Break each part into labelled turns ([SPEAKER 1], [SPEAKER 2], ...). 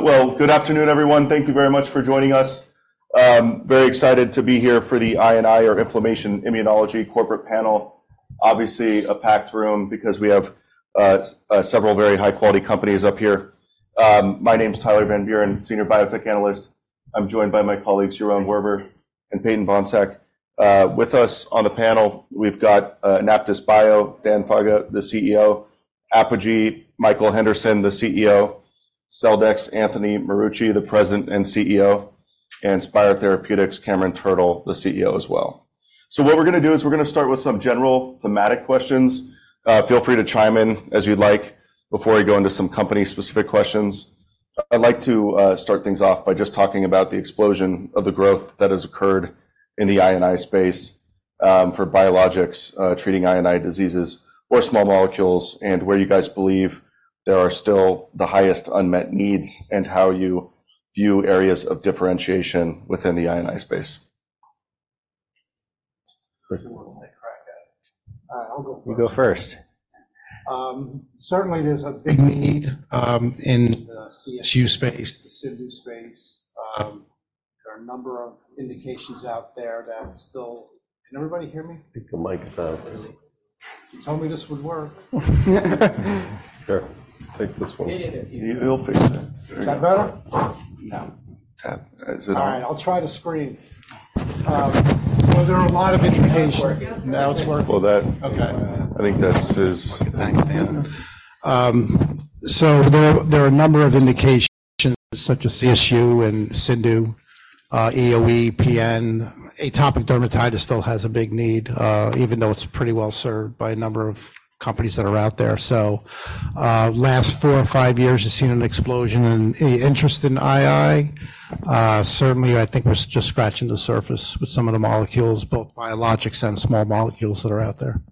[SPEAKER 1] Well, good afternoon, everyone. Thank you very much for joining us. Very excited to be here for the I&I, or Inflammation Immunology, corporate panel. Obviously a packed room because we have several very high-quality companies up here. My name's Tyler Van Buren, Senior Biotech Analyst. I'm joined by my colleagues, Yaron Werber and Peyton Bohnsack. With us on the panel, we've got AnaptysBio, Dan Faga, the CEO; Apogee, Michael Henderson, the CEO; Celldex, Anthony Marucci, the President and CEO; and Spyre Therapeutics, Cameron Turtle, the CEO as well. So what we're going to do is we're going to start with some general thematic questions. Feel free to chime in as you'd like before we go into some company-specific questions. I'd like to start things off by just talking about the explosion of the growth that has occurred in the I&I space for biologics treating I&I diseases or small molecules, and where you guys believe there are still the highest unmet needs and how you view areas of differentiation within the I&I space.
[SPEAKER 2] Who wants to crack it?
[SPEAKER 3] You go first.
[SPEAKER 2] Certainly, there's a big need in the CSU space, the CIndU space. There are a number of indications out there that still can everybody hear me?
[SPEAKER 4] I think the mic is out.
[SPEAKER 2] You told me this would work.
[SPEAKER 4] Sure. Take this one. It'll fix it.
[SPEAKER 2] Is that better?
[SPEAKER 3] No.
[SPEAKER 4] Tap. Is it on?
[SPEAKER 2] All right. I'll try to screen. So there are a lot of indications. Now it's working.
[SPEAKER 4] Well, that I think that's his.
[SPEAKER 3] Thanks, Dan. So there are a number of indications such as CSU and CIndU, EoE, PN. Atopic dermatitis still has a big need even though it's pretty well served by a number of companies that are out there. So last four or five years, you've seen an explosion in interest in I&I. Certainly, I think we're just scratching the surface with some of the molecules, both biologics and small molecules that are out there.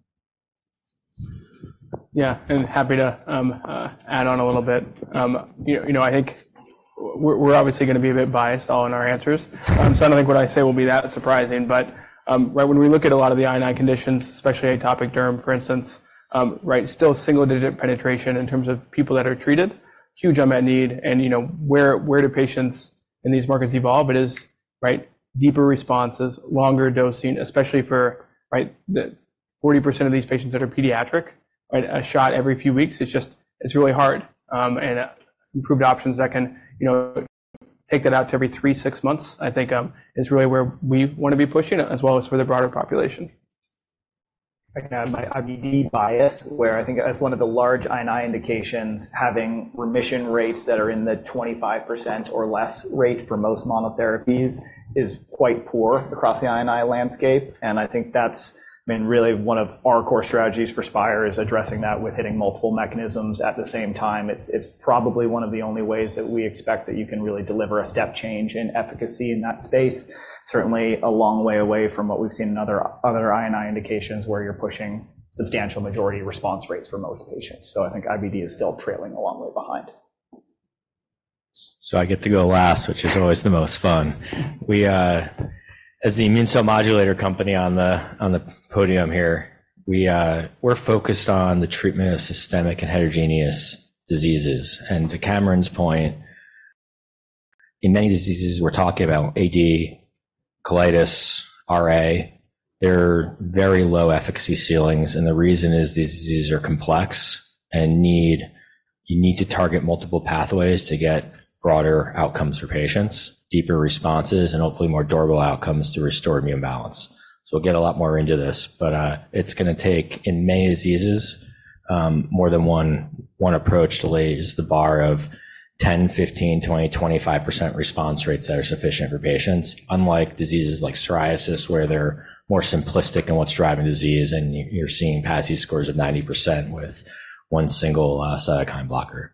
[SPEAKER 5] Yeah. Happy to add on a little bit. I think we're obviously going to be a bit biased all in our answers. So I don't think what I say will be that surprising. But when we look at a lot of the I&I conditions, especially atopic derm, for instance, still single-digit penetration in terms of people that are treated, huge unmet need. And where do patients in these markets evolve? It is deeper responses, longer dosing, especially for 40% of these patients that are pediatric. A shot every few weeks, it's really hard. And improved options that can take that out to every three, six months, I think, is really where we want to be pushing as well as for the broader population.
[SPEAKER 3] I can add my IBD bias where I think one of the large I&I indications, having remission rates that are in the 25% or less rate for most monotherapies, is quite poor across the I&I landscape. And I think that's been really one of our core strategies for Spyre is addressing that with hitting multiple mechanisms at the same time. It's probably one of the only ways that we expect that you can really deliver a step change in efficacy in that space. Certainly, a long way away from what we've seen in other I&I indications where you're pushing substantial majority response rates for most patients. So I think IBD is still trailing a long way behind.
[SPEAKER 6] I get to go last, which is always the most fun. As the immune cell modulator company on the podium here, we're focused on the treatment of systemic and heterogeneous diseases. To Cameron's point, in many diseases, we're talking about AD, colitis, RA. They're very low efficacy ceilings. The reason is these diseases are complex and you need to target multiple pathways to get broader outcomes for patients, deeper responses, and hopefully more durable outcomes to restore immune balance. We'll get a lot more into this. But it's going to take, in many diseases, more than one approach to raise the bar of 10%, 15%, 20%, 25% response rates that are sufficient for patients, unlike diseases like psoriasis where they're more simplistic in what's driving disease, and you're seeing PASI scores of 90% with one single cytokine blocker.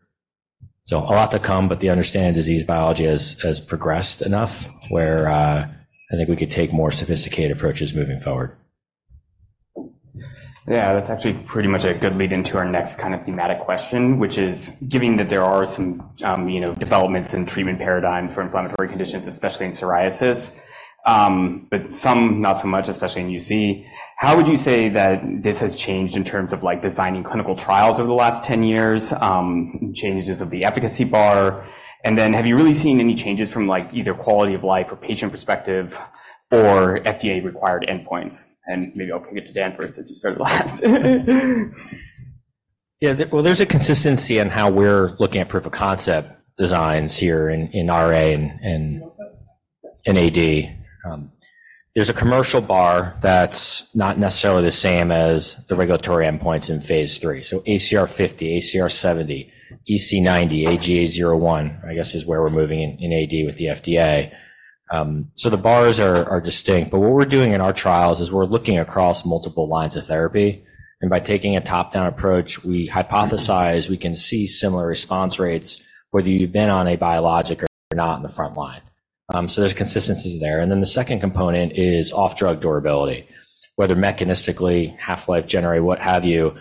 [SPEAKER 6] A lot to come, but the understanding of disease biology has progressed enough where I think we could take more sophisticated approaches moving forward.
[SPEAKER 3] Yeah. That's actually pretty much a good lead into our next kind of thematic question, which is given that there are some developments in treatment paradigms for inflammatory conditions, especially in psoriasis, but some, not so much, especially in UC. How would you say that this has changed in terms of designing clinical trials over the last 10 years, changes of the efficacy bar? And then have you really seen any changes from either quality of life or patient perspective or FDA-required endpoints? And maybe I'll kick it to Dan first since you started last.
[SPEAKER 6] Yeah. Well, there's a consistency in how we're looking at proof of concept designs here in RA and AD. There's a commercial bar that's not necessarily the same as the regulatory endpoints in phase three. So ACR50, ACR70, EC90, IGA 0/1, I guess, is where we're moving in AD with the FDA. So the bars are distinct. But what we're doing in our trials is we're looking across multiple lines of therapy. And by taking a top-down approach, we hypothesize we can see similar response rates, whether you've been on a biologic or not in the front line. So there's consistency there. And then the second component is off-drug durability, whether mechanistically, half-life generate, what have you,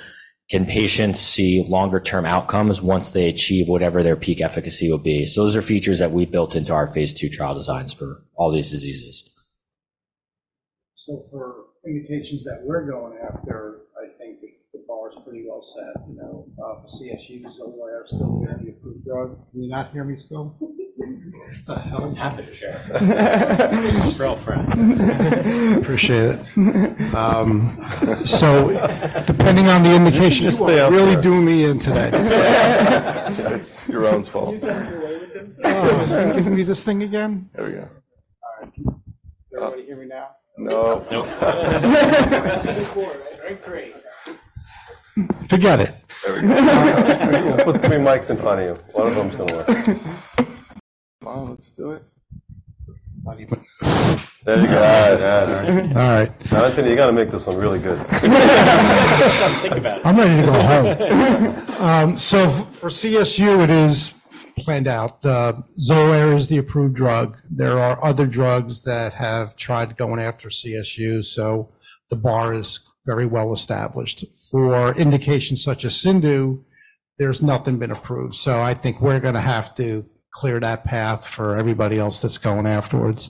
[SPEAKER 6] can patients see longer-term outcomes once they achieve whatever their peak efficacy will be? So those are features that we built into our phase two trial designs for all these diseases.
[SPEAKER 2] So for indications that we're going after, I think the bar is pretty well set. The CSUs only are still going to be approved drug. Can you not hear me still?
[SPEAKER 3] AnaptysBio. Fran. Appreciate it. So depending on the indications, really do me in today.
[SPEAKER 1] It's Yaron's fault.
[SPEAKER 2] Can you do this thing again?
[SPEAKER 1] There we go.
[SPEAKER 2] All right. Everybody hear me now?
[SPEAKER 4] No.
[SPEAKER 3] No.
[SPEAKER 2] Very great.
[SPEAKER 3] Forget it.
[SPEAKER 4] There we go. Put three mics in front of you. One of them's going to work.
[SPEAKER 3] Let's do it.
[SPEAKER 4] There you go.
[SPEAKER 3] All right.
[SPEAKER 4] Anaptys, you got to make this one really good.
[SPEAKER 7] I'm ready to go home. For CSU, it is planned out. Xolair is the approved drug. There are other drugs that have tried going after CSU, so the bar is very well established. For indications such as CIndU, there's nothing been approved. So I think we're going to have to clear that path for everybody else that's going afterwards.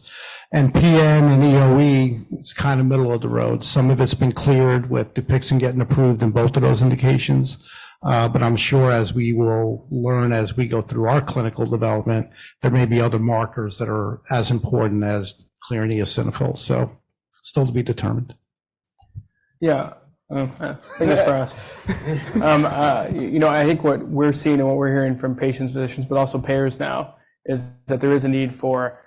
[SPEAKER 7] And PN and EoE, it's kind of middle of the road. Some of it's been cleared with Dupixent getting approved in both of those indications. But I'm sure as we will learn as we go through our clinical development, there may be other markers that are as important as clearing eosinophils. So still to be determined.
[SPEAKER 5] Yeah. Fingers crossed. I think what we're seeing and what we're hearing from patients, physicians, but also payers now is that there is a need for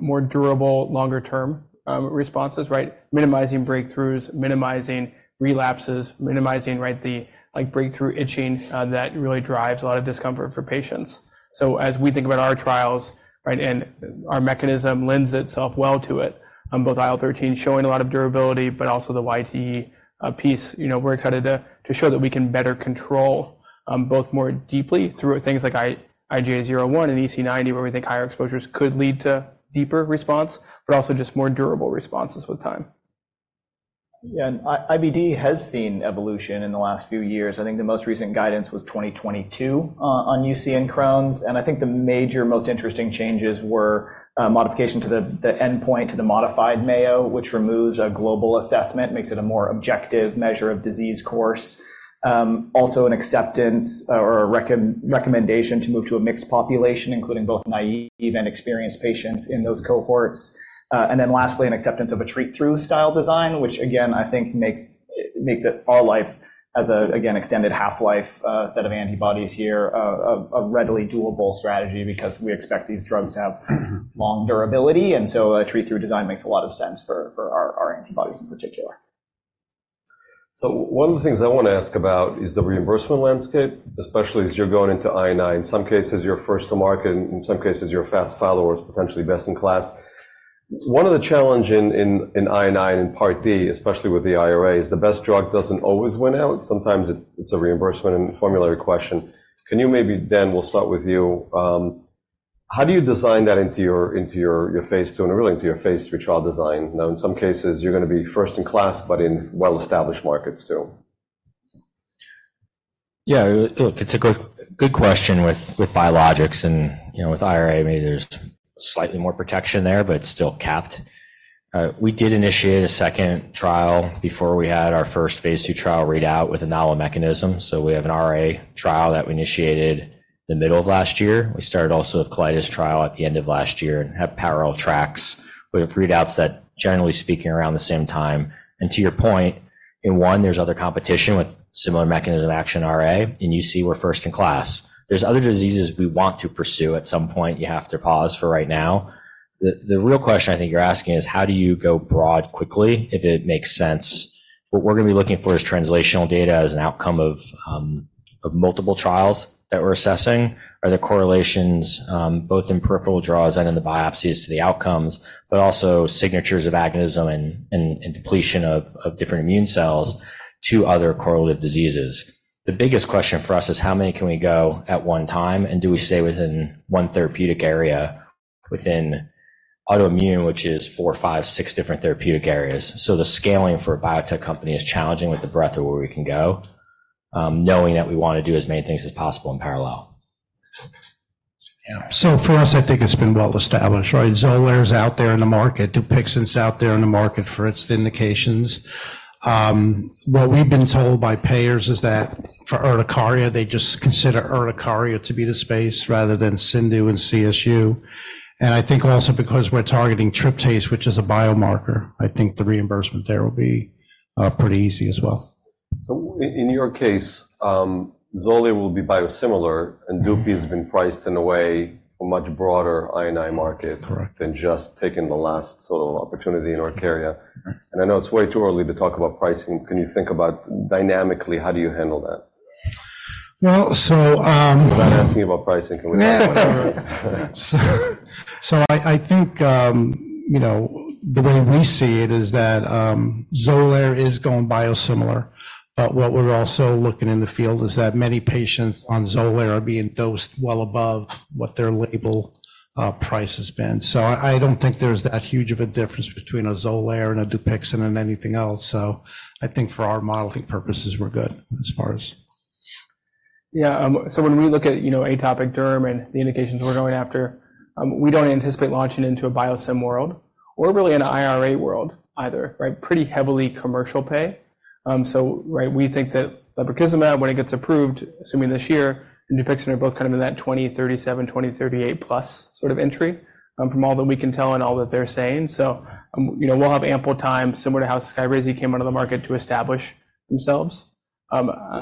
[SPEAKER 5] more durable, longer-term responses, minimizing breakthroughs, minimizing relapses, minimizing the breakthrough itching that really drives a lot of discomfort for patients. So as we think about our trials and our mechanism lends itself well to it, both IL-13 showing a lot of durability, but also the YTE piece, we're excited to show that we can better control both more deeply through things like IGA01 and EC90, where we think higher exposures could lead to deeper response, but also just more durable responses with time.
[SPEAKER 3] Yeah. IBD has seen evolution in the last few years. I think the most recent guidance was 2022 on UC and Crohn's. I think the major, most interesting changes were modification to the endpoint to the modified Mayo, which removes a global assessment, makes it a more objective measure of disease course. Also, an acceptance or a recommendation to move to a mixed population, including both naive and experienced patients in those cohorts. And then lastly, an acceptance of a treat-through style design, which again, I think makes it viable as a, again, extended half-life set of antibodies here a readily doable strategy because we expect these drugs to have long durability. And so a treat-through design makes a lot of sense for our antibodies in particular.
[SPEAKER 4] So one of the things I want to ask about is the reimbursement landscape, especially as you're going into I&I. In some cases, you're first to market. In some cases, you're fast followers, potentially best in class. One of the challenges in I&I and in Part D, especially with the IRA, is the best drug doesn't always win out. Sometimes it's a reimbursement and formulary question. Can you maybe, Dan, we'll start with you. How do you design that into your phase 2, and really into your phase 3 trial design? Now, in some cases, you're going to be first in class, but in well-established markets too.
[SPEAKER 6] Yeah. Look, it's a good question with biologics. And with IRA, maybe there's slightly more protection there, but it's still capped. We did initiate a second trial before we had our first phase 2 trial readout with a novel mechanism. So we have an RA trial that we initiated the middle of last year. We started also a colitis trial at the end of last year and have parallel tracks with readouts that, generally speaking, are around the same time. And to your point, in one, there's other competition with similar mechanism action RA. In UC, we're first in class. There's other diseases we want to pursue. At some point, you have to pause for right now. The real question I think you're asking is, how do you go broad quickly if it makes sense? What we're going to be looking for is translational data as an outcome of multiple trials that we're assessing. Are there correlations both in peripheral draws and in the biopsies to the outcomes, but also signatures of agonism and depletion of different immune cells to other correlative diseases? The biggest question for us is, how many can we go at one time? Do we stay within one therapeutic area within autoimmune, which is four, five, six different therapeutic areas? The scaling for a biotech company is challenging with the breadth of where we can go, knowing that we want to do as many things as possible in parallel.
[SPEAKER 3] Yeah. So for us, I think it's been well established. Xolair is out there in the market. Dupixent's out there in the market for its indications. What we've been told by payers is that for urticaria, they just consider urticaria to be the space rather than CIndU and CSU. And I think also because we're targeting tryptase, which is a biomarker, I think the reimbursement there will be pretty easy as well.
[SPEAKER 4] In your case, Xolair will be biosimilar, and Dupi has been priced in a way for a much broader I&I market than just taking the last sort of opportunity in urticaria. I know it's way too early to talk about pricing. Can you think about dynamically, how do you handle that?
[SPEAKER 3] Well, so.
[SPEAKER 4] Without asking about pricing, can we?
[SPEAKER 3] I think the way we see it is that Xolair is going biosimilar. But what we're also looking in the field is that many patients on Xolair are being dosed well above what their label price has been. So I don't think there's that huge of a difference between a Xolair and a Dupixent and anything else. So I think for our modeling purposes, we're good as far as.
[SPEAKER 5] Yeah. So when we look at atopic derm and the indications we're going after, we don't anticipate launching into a biosim world or really an IRA world either, pretty heavily commercial pay. So we think that lebrikizumab, when it gets approved, assuming this year, and Dupixent are both kind of in that 2037, 2038 plus sort of entry from all that we can tell and all that they're saying. So we'll have ample time, similar to how Skyrizi came onto the market, to establish themselves.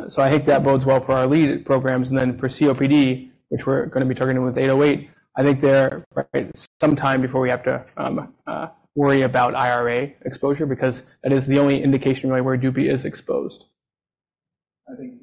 [SPEAKER 5] So I think that bodes well for our lead programs. And then for COPD, which we're going to be targeting with 808, I think they're sometime before we have to worry about IRA exposure because that is the only indication really where Dupi is exposed.
[SPEAKER 3] I think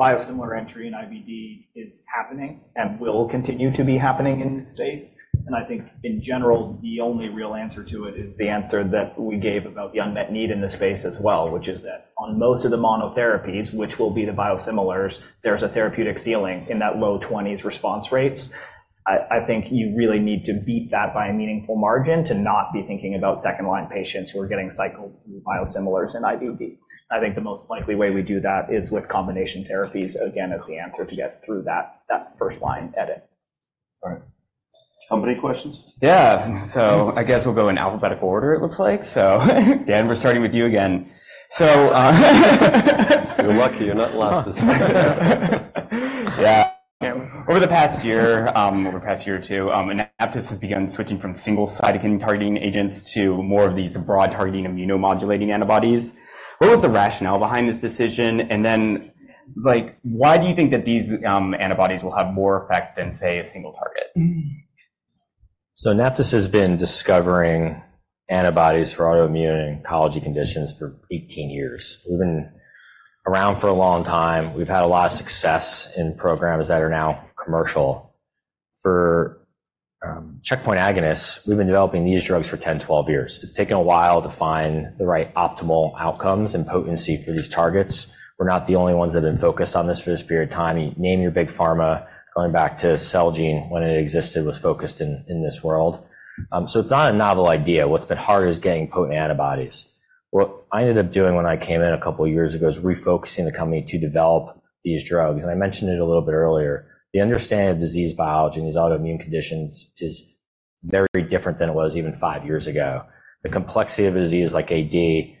[SPEAKER 3] biosimilar entry in IBD is happening and will continue to be happening in this space. I think, in general, the only real answer to it is the answer that we gave about the unmet need in the space as well, which is that on most of the monotherapies, which will be the biosimilars, there's a therapeutic ceiling in that low-20s response rates. I think you really need to beat that by a meaningful margin to not be thinking about second-line patients who are getting cycled through biosimilars in IBD. I think the most likely way we do that is with combination therapies, again, as the answer to get through that first-line edit.
[SPEAKER 4] All right. Company questions?
[SPEAKER 6] Yeah. So I guess we'll go in alphabetical order, it looks like. So Dan, we're starting with you again.
[SPEAKER 4] You're lucky. You're not last this time.
[SPEAKER 6] Yeah. Over the past year, over the past year or two, AnaptysBio has begun switching from single cytokine targeting agents to more of these broad targeting immunomodulating antibodies. What was the rationale behind this decision? And then why do you think that these antibodies will have more effect than, say, a single target? So AnaptysBio has been discovering antibodies for autoimmune and oncology conditions for 18 years. We've been around for a long time. We've had a lot of success in programs that are now commercial. For checkpoint agonists, we've been developing these drugs for 10, 12 years. It's taken a while to find the right optimal outcomes and potency for these targets. We're not the only ones that have been focused on this for this period of time. Name your big pharma. Going back to Celgene, when it existed, was focused in this world. So it's not a novel idea. What's been hard is getting potent antibodies. What I ended up doing when I came in a couple of years ago is refocusing the company to develop these drugs. And I mentioned it a little bit earlier. The understanding of disease biology and these autoimmune conditions is very different than it was even five years ago. The complexity of a disease like AD,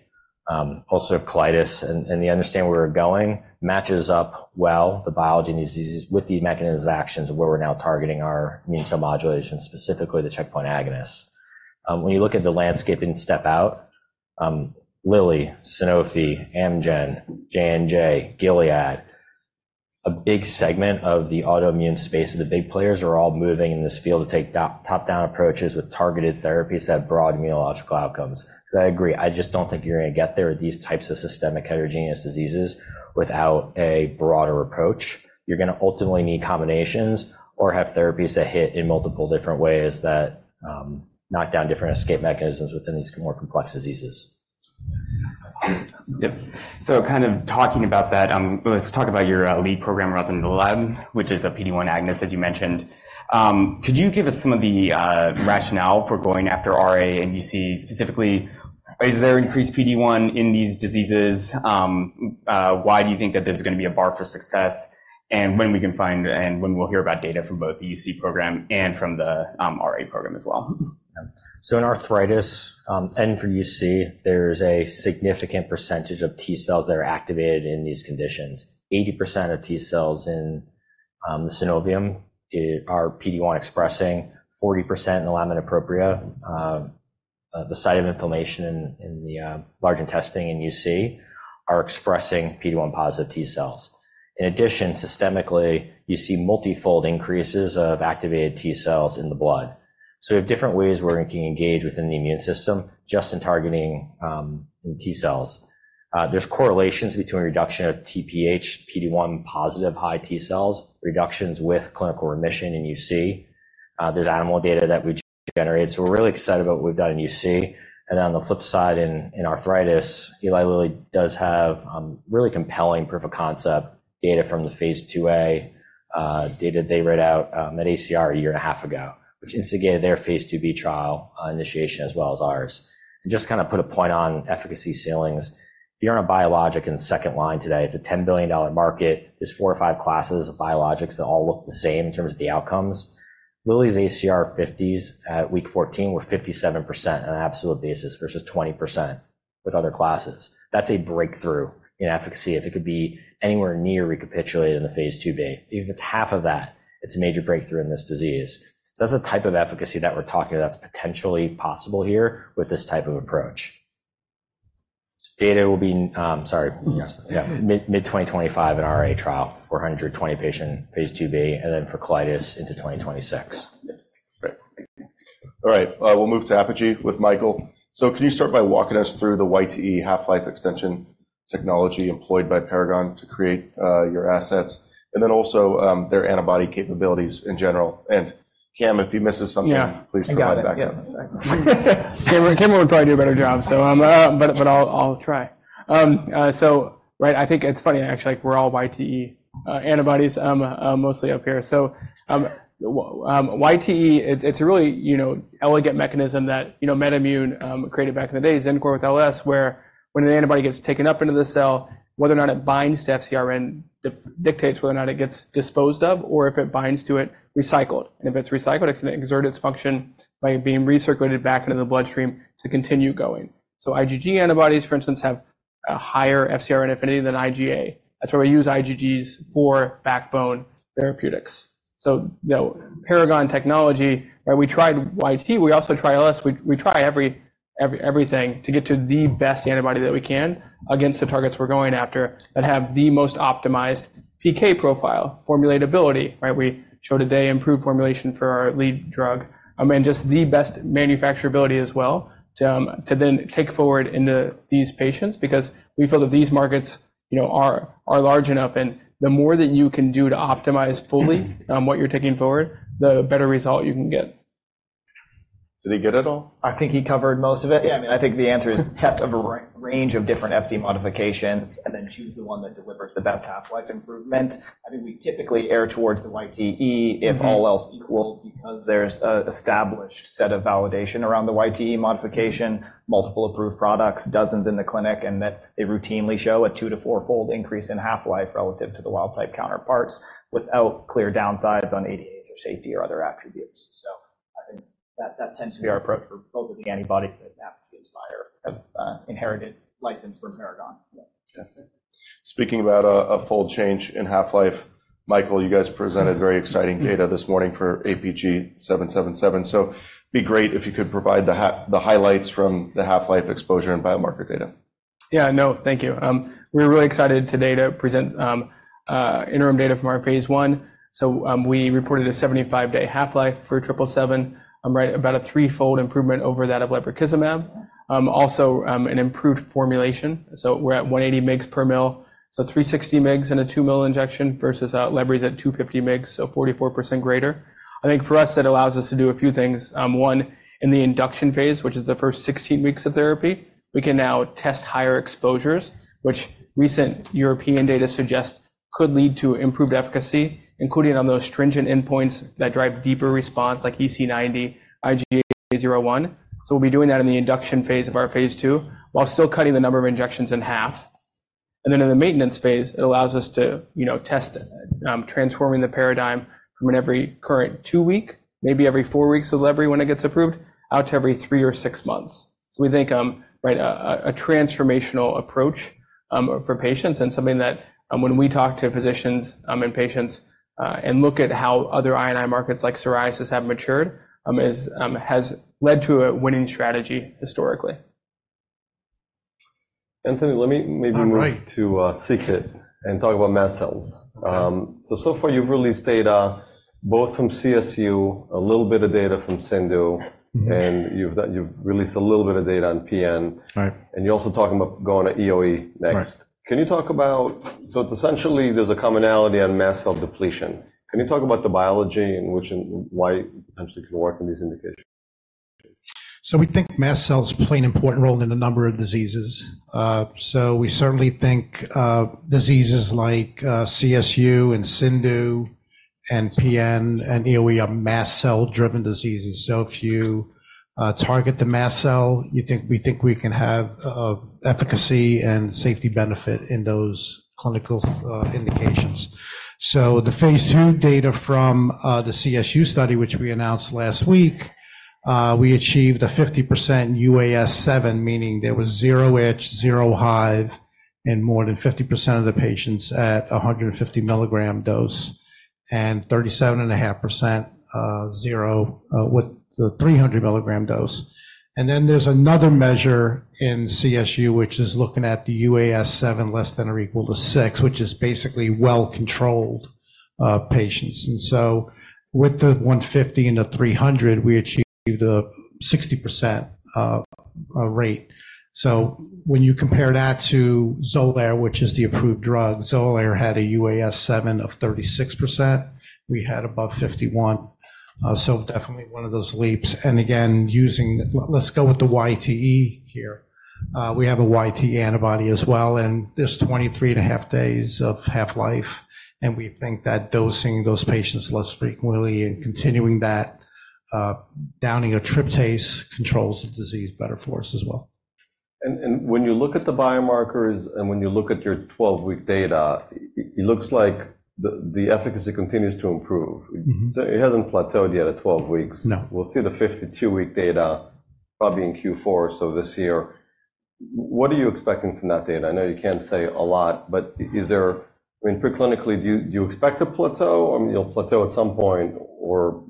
[SPEAKER 6] also of colitis, and the understanding where we're going matches up well the biology and diseases with the mechanisms of actions of where we're now targeting our immune cell modulation, specifically the checkpoint agonists. When you look at the landscape in Step Out, Lilly, Sanofi, Amgen, J&J, Gilead, a big segment of the autoimmune space of the big players are all moving in this field to take top-down approaches with targeted therapies that have broad immunological outcomes. Because I agree, I just don't think you're going to get there with these types of systemic heterogeneous diseases without a broader approach. You're going to ultimately need combinations or have therapies that hit in multiple different ways that knock down different escape mechanisms within these more complex diseases. Yep. So kind of talking about that, let's talk about your lead program, rosnilimab, which is a PD-1 agonist, as you mentioned. Could you give us some of the rationale for going after RA and UC specifically? Is there increased PD-1 in these diseases? Why do you think that this is going to be a bar for success? And when we can find and when we'll hear about data from both the UC program and from the RA program as well? So in arthritis and for UC, there's a significant percentage of T cells that are activated in these conditions. 80% of T cells in the synovium are PD-1 expressing. 40% in the lamina propria. The site of inflammation in the large intestine in UC are expressing PD-1 positive T cells. In addition, systemically, you see multifold increases of activated T cells in the blood. So we have different ways we're going to engage within the immune system just in targeting T cells. There's correlations between reduction of TPH, PD-1 positive high T cells, reductions with clinical remission in UC. There's animal data that we generate. So we're really excited about what we've done in UC. And then on the flip side, in arthritis, Eli Lilly does have really compelling proof of concept data from the phase 2A data they read out at ACR a year and a half ago, which instigated their phase 2B trial initiation as well as ours. And just to kind of put a point on efficacy ceilings, if you're on a biologic in second line today, it's a $10 billion market. There's four or five classes of biologics that all look the same in terms of the outcomes. Lilly's ACR50s at week 14 were 57% on an absolute basis versus 20% with other classes. That's a breakthrough in efficacy. If it could be anywhere near recapitulated in the phase 2b, even if it's half of that, it's a major breakthrough in this disease. So that's the type of efficacy that we're talking about that's potentially possible here with this type of approach. Data will be, sorry. Yeah. Mid-2025, an RA trial, 420-patient phase 2b, and then for colitis into 2026.
[SPEAKER 4] Great. All right. We'll move to Apogee with Michael. So can you start by walking us through the YTE half-life extension technology employed by Paragon to create your assets and then also their antibody capabilities in general? And Cam, if he misses something, please provide back.
[SPEAKER 5] Yeah. I got it. Yeah. One sec. Cameron would probably do a better job, but I'll try. So I think it's funny, actually. We're all YTE antibodies mostly up here. So YTE, it's a really elegant mechanism that MedImmune created back in the day, Xencor with LS, where when an antibody gets taken up into the cell, whether or not it binds to FcRn dictates whether or not it gets disposed of or if it binds to it, recycled. And if it's recycled, it can exert its function by being recirculated back into the bloodstream to continue going. So IgG antibodies, for instance, have a higher FcRn affinity than IgA. That's why we use IgGs for backbone therapeutics. So Paragon technology, we tried YT. We also try LS. We try everything to get to the best antibody that we can against the targets we're going after that have the most optimized PK profile formulatability. We showed an improved formulation for our lead drug and just the best manufacturability as well to then take forward into these patients because we feel that these markets are large enough. The more that you can do to optimize fully what you're taking forward, the better result you can get.
[SPEAKER 4] Did he get it all?
[SPEAKER 6] I think he covered most of it. Yeah. I mean, I think the answer is test of a range of different Fc modifications and then choose the one that delivers the best half-life improvement. I think we typically err towards the YTE if all else equaled because there's an established set of validation around the YTE modification, multiple approved products, dozens in the clinic, and that they routinely show a two- to fourfold increase in half-life relative to the wild-type counterparts without clear downsides on ADAs or safety or other attributes. So I think that tends to be our approach for both of the antibodies that Apogee and Spyre have inherited license from Paragon.
[SPEAKER 4] Yeah. Speaking about a full change in half-life, Michael, you guys presented very exciting data this morning for APG777. So it'd be great if you could provide the highlights from the half-life exposure and biomarker data.
[SPEAKER 5] Yeah. No. Thank you. We were really excited today to present interim data from our phase 1. So we reported a 75-day half-life for APG777, about a threefold improvement over that of lebrikizumab, also an improved formulation. So we're at 180 mg per mL, so 360 mg in a 2-mL injection versus lebrikizumab at 250 mg, so 44% greater. I think for us, that allows us to do a few things. One, in the induction phase, which is the first 16 weeks of therapy, we can now test higher exposures, which recent European data suggest could lead to improved efficacy, including on those stringent endpoints that drive deeper response like EASI-90, IGA 0/1. So we'll be doing that in the induction phase of our phase 2 while still cutting the number of injections in half. Then in the maintenance phase, it allows us to test transforming the paradigm from an every current two-week, maybe every four weeks with Lebrikizumab when it gets approved, out to every three or six months. So we think a transformational approach for patients and something that when we talk to physicians and patients and look at how other I&I markets like psoriasis have matured has led to a winning strategy historically.
[SPEAKER 4] Anthony, let me maybe move to c-KIT and talk about mast cells. So far, you've released data both from CSU, a little bit of data from CIndU, and you've released a little bit of data on PN. And you're also talking about going to EoE next. Can you talk about so essentially, there's a commonality on mast cell depletion. Can you talk about the biology and why it potentially can work in these indications?
[SPEAKER 3] So we think mast cells play an important role in a number of diseases. So we certainly think diseases like CSU and CIndU and PN and EoE are mast cell-driven diseases. So if you target the mast cell, we think we can have efficacy and safety benefit in those clinical indications. So the phase 2 data from the CSU study, which we announced last week, we achieved a 50% UAS7, meaning there was zero itch, zero hive, in more than 50% of the patients at 150-milligram dose and 37.5% with the 300-milligram dose. And then there's another measure in CSU, which is looking at the UAS7 less than or equal to 6, which is basically well-controlled patients. And so with the 150 and the 300, we achieved a 60% rate. So when you compare that to Xolair, which is the approved drug, Xolair had a UAS7 of 36%. We had above 51. So definitely one of those leaps. And again, let's go with the YTE here. We have a YTE antibody as well. And there's 23.5 days of half-life. And we think that dosing those patients less frequently and continuing that, downing of tryptase, controls the disease better for us as well.
[SPEAKER 4] When you look at the biomarkers and when you look at your 12-week data, it looks like the efficacy continues to improve. So it hasn't plateaued yet at 12 weeks. We'll see the 52-week data probably in Q4 or so this year. What are you expecting from that data? I know you can't say a lot, but I mean, preclinically, do you expect a plateau? I mean, it'll plateau at some point, or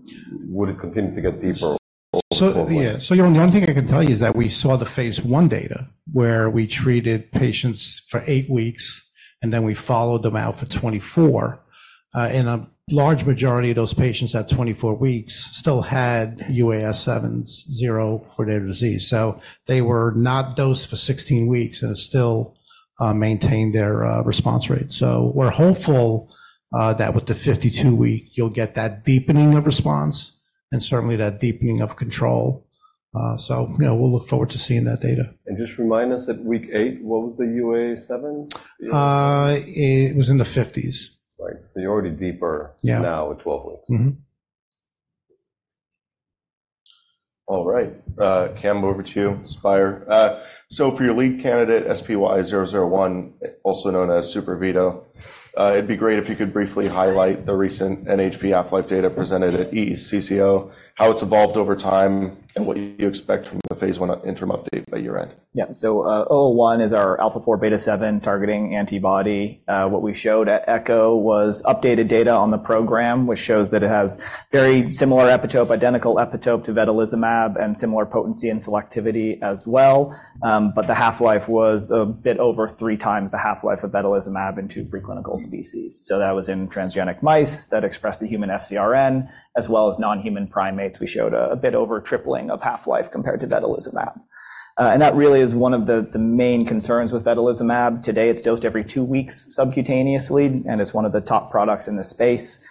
[SPEAKER 4] would it continue to get deeper or slower?
[SPEAKER 3] Yeah. So the only thing I can tell you is that we saw the phase 1 data where we treated patients for 8 weeks, and then we followed them out for 24. And a large majority of those patients at 24 weeks still had UAS7s zero for their disease. So they were not dosed for 16 weeks, and it still maintained their response rate. So we're hopeful that with the 52-week, you'll get that deepening of response and certainly that deepening of control. So we'll look forward to seeing that data.
[SPEAKER 4] Just remind us at week 8, what was the UAS7?
[SPEAKER 3] It was in the 50s.
[SPEAKER 4] Right. So you're already deeper now at 12 weeks. All right. Cam, over to you. Spyre. So for your lead candidate, SPY001, also known as Super Vedo, it'd be great if you could briefly highlight the recent NHP half-life data presented at ECCO, how it's evolved over time, and what you expect from the phase 1 interim update by year-end.
[SPEAKER 6] Yeah. So 001 is our alpha-4 beta-7 targeting antibody. What we showed at ECCO was updated data on the program, which shows that it has very similar epitope, identical epitope to vedolizumab, and similar potency and selectivity as well. But the half-life was a bit over 3 times the half-life of vedolizumab in two preclinical species. So that was in transgenic mice that expressed the human FcRn as well as non-human primates. We showed a bit over tripling of half-life compared to vedolizumab. And that really is one of the main concerns with vedolizumab. Today, it's dosed every 2 weeks subcutaneously, and it's one of the top products in the space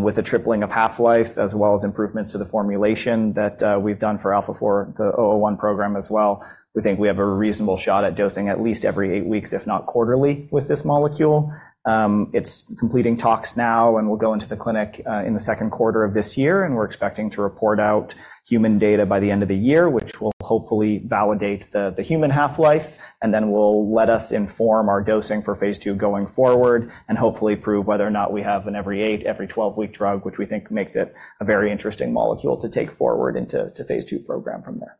[SPEAKER 6] with a tripling of half-life as well as improvements to the formulation that we've done for alpha-4, the 001 program as well. We think we have a reasonable shot at dosing at least every 8 weeks, if not quarterly, with this molecule. It's completing talks now, and we'll go into the clinic in the second quarter of this year. And we're expecting to report out human data by the end of the year, which will hopefully validate the human half-life. And then we'll let us inform our dosing for phase two going forward and hopefully prove whether or not we have an every 8, every 12-week drug, which we think makes it a very interesting molecule to take forward into phase two program from there.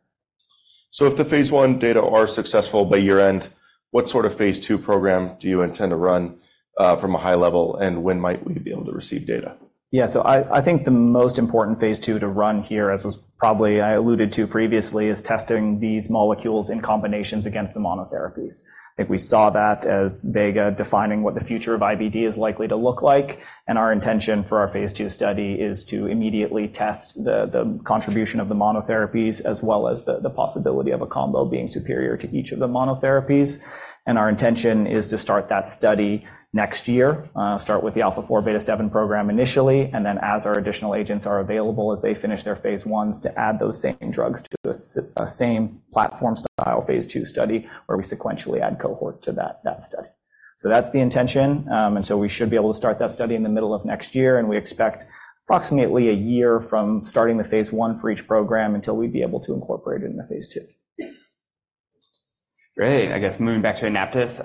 [SPEAKER 4] So if the phase 1 data are successful by your end, what sort of phase 2 program do you intend to run from a high level, and when might we be able to receive data?
[SPEAKER 6] Yeah. So I think the most important phase 2 to run here, as I probably alluded to previously, is testing these molecules in combinations against the monotherapies. I think we saw that as Vedo defining what the future of IBD is likely to look like. And our intention for our phase 2 study is to immediately test the contribution of the monotherapies as well as the possibility of a combo being superior to each of the monotherapies. And our intention is to start that study next year, start with the alpha-4 beta-7 program initially, and then as our additional agents are available as they finish their phase 1s, to add those same drugs to a same platform-style phase 2 study where we sequentially add cohort to that study. So that's the intention. And so we should be able to start that study in the middle of next year. And we expect approximately a year from starting the phase one for each program until we'd be able to incorporate it in the phase two.
[SPEAKER 8] Great. I guess moving back to Anaptys,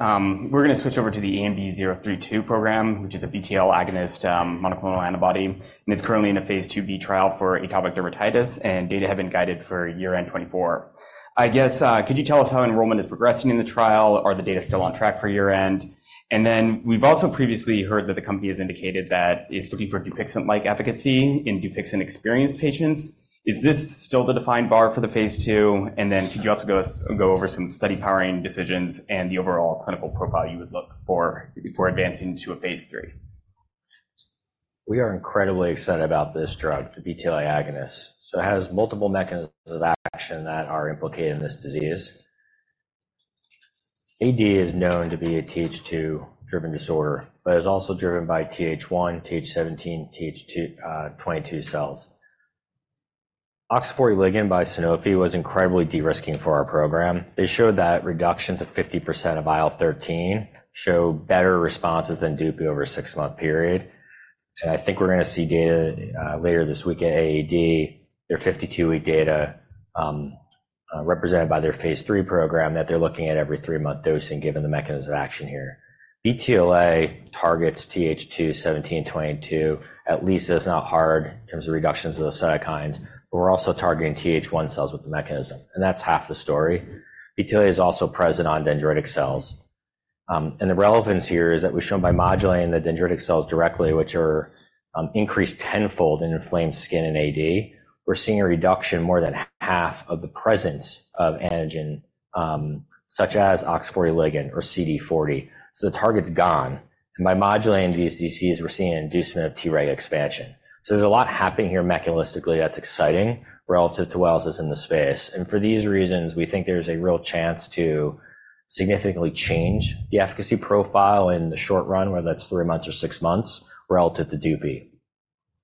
[SPEAKER 8] we're going to switch over to the ANB032 program, which is a BTLA agonist monoclonal antibody. And it's currently in a phase 2b trial for atopic dermatitis, and data have been guided for year-end 2024. I guess, could you tell us how enrollment is progressing in the trial? Are the data still on track for year-end? And then we've also previously heard that the company has indicated that it's looking for Dupixent-like efficacy in Dupixent experienced patients. Is this still the defined bar for the phase 2? And then could you also go over some study-powering decisions and the overall clinical profile you would look for advancing to a phase 3?
[SPEAKER 2] We are incredibly excited about this drug, the BTLA agonist. So it has multiple mechanisms of action that are implicated in this disease. AD is known to be a TH2-driven disorder, but it's also driven by TH1, TH17, TH22 cells. OX40 ligand by Sanofi was incredibly de-risking for our program. They showed that reductions of 50% of IL-13 show better responses than DUPI over a six-month period. And I think we're going to see data later this week at AAD, their 52-week data represented by their phase three program that they're looking at every three-month dosing given the mechanism of action here. BTLA targets TH2, TH17, TH22, at least it's not hard in terms of reductions of the cytokines, but we're also targeting TH1 cells with the mechanism. And that's half the story. BTLA is also present on dendritic cells. The relevance here is that we've shown by modulating the dendritic cells directly, which are increased tenfold in inflamed skin in AD, we're seeing a reduction more than half of the presence of antigen such as OX40 ligand or CD40. So the target's gone. And by modulating these DCs, we're seeing an inducement of Treg expansion. So there's a lot happening here mechanistically that's exciting relative to others in the space. And for these reasons, we think there's a real chance to significantly change the efficacy profile in the short run, whether that's three months or six months relative to DUPI.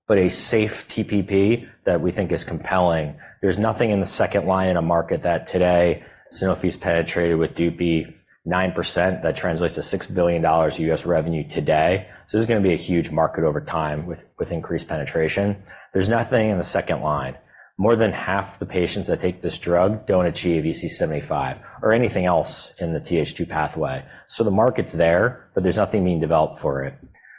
[SPEAKER 2] But a safe TPP that we think is compelling, there's nothing in the second line in a market that today, Sanofi's penetrated with DUPI 9% that translates to $6 billion U.S. revenue today. So this is going to be a huge market over time with increased penetration. There's nothing in the second line. More than half the patients that take this drug don't achieve EASI-75 or anything else in the Th2 pathway. So the market's there, but there's nothing being developed for it.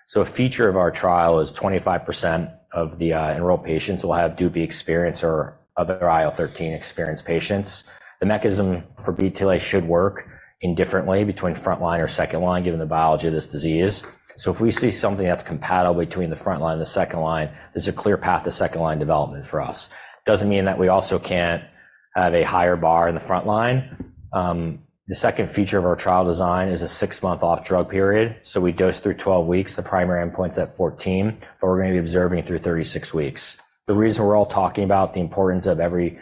[SPEAKER 2] So a feature of our trial is 25% of the enrolled patients will have Dupixent experience or other IL-13 experienced patients. The mechanism for BTLA should work indifferently between front line or second line given the biology of this disease. So if we see something that's compatible between the front line and the second line, there's a clear path to second line development for us. It doesn't mean that we also can't have a higher bar in the front line. The second feature of our trial design is a six-month off-drug period. So we dose through 12 weeks. The primary endpoint's at 14, but we're going to be observing through 36 weeks. The reason we're all talking about the importance of every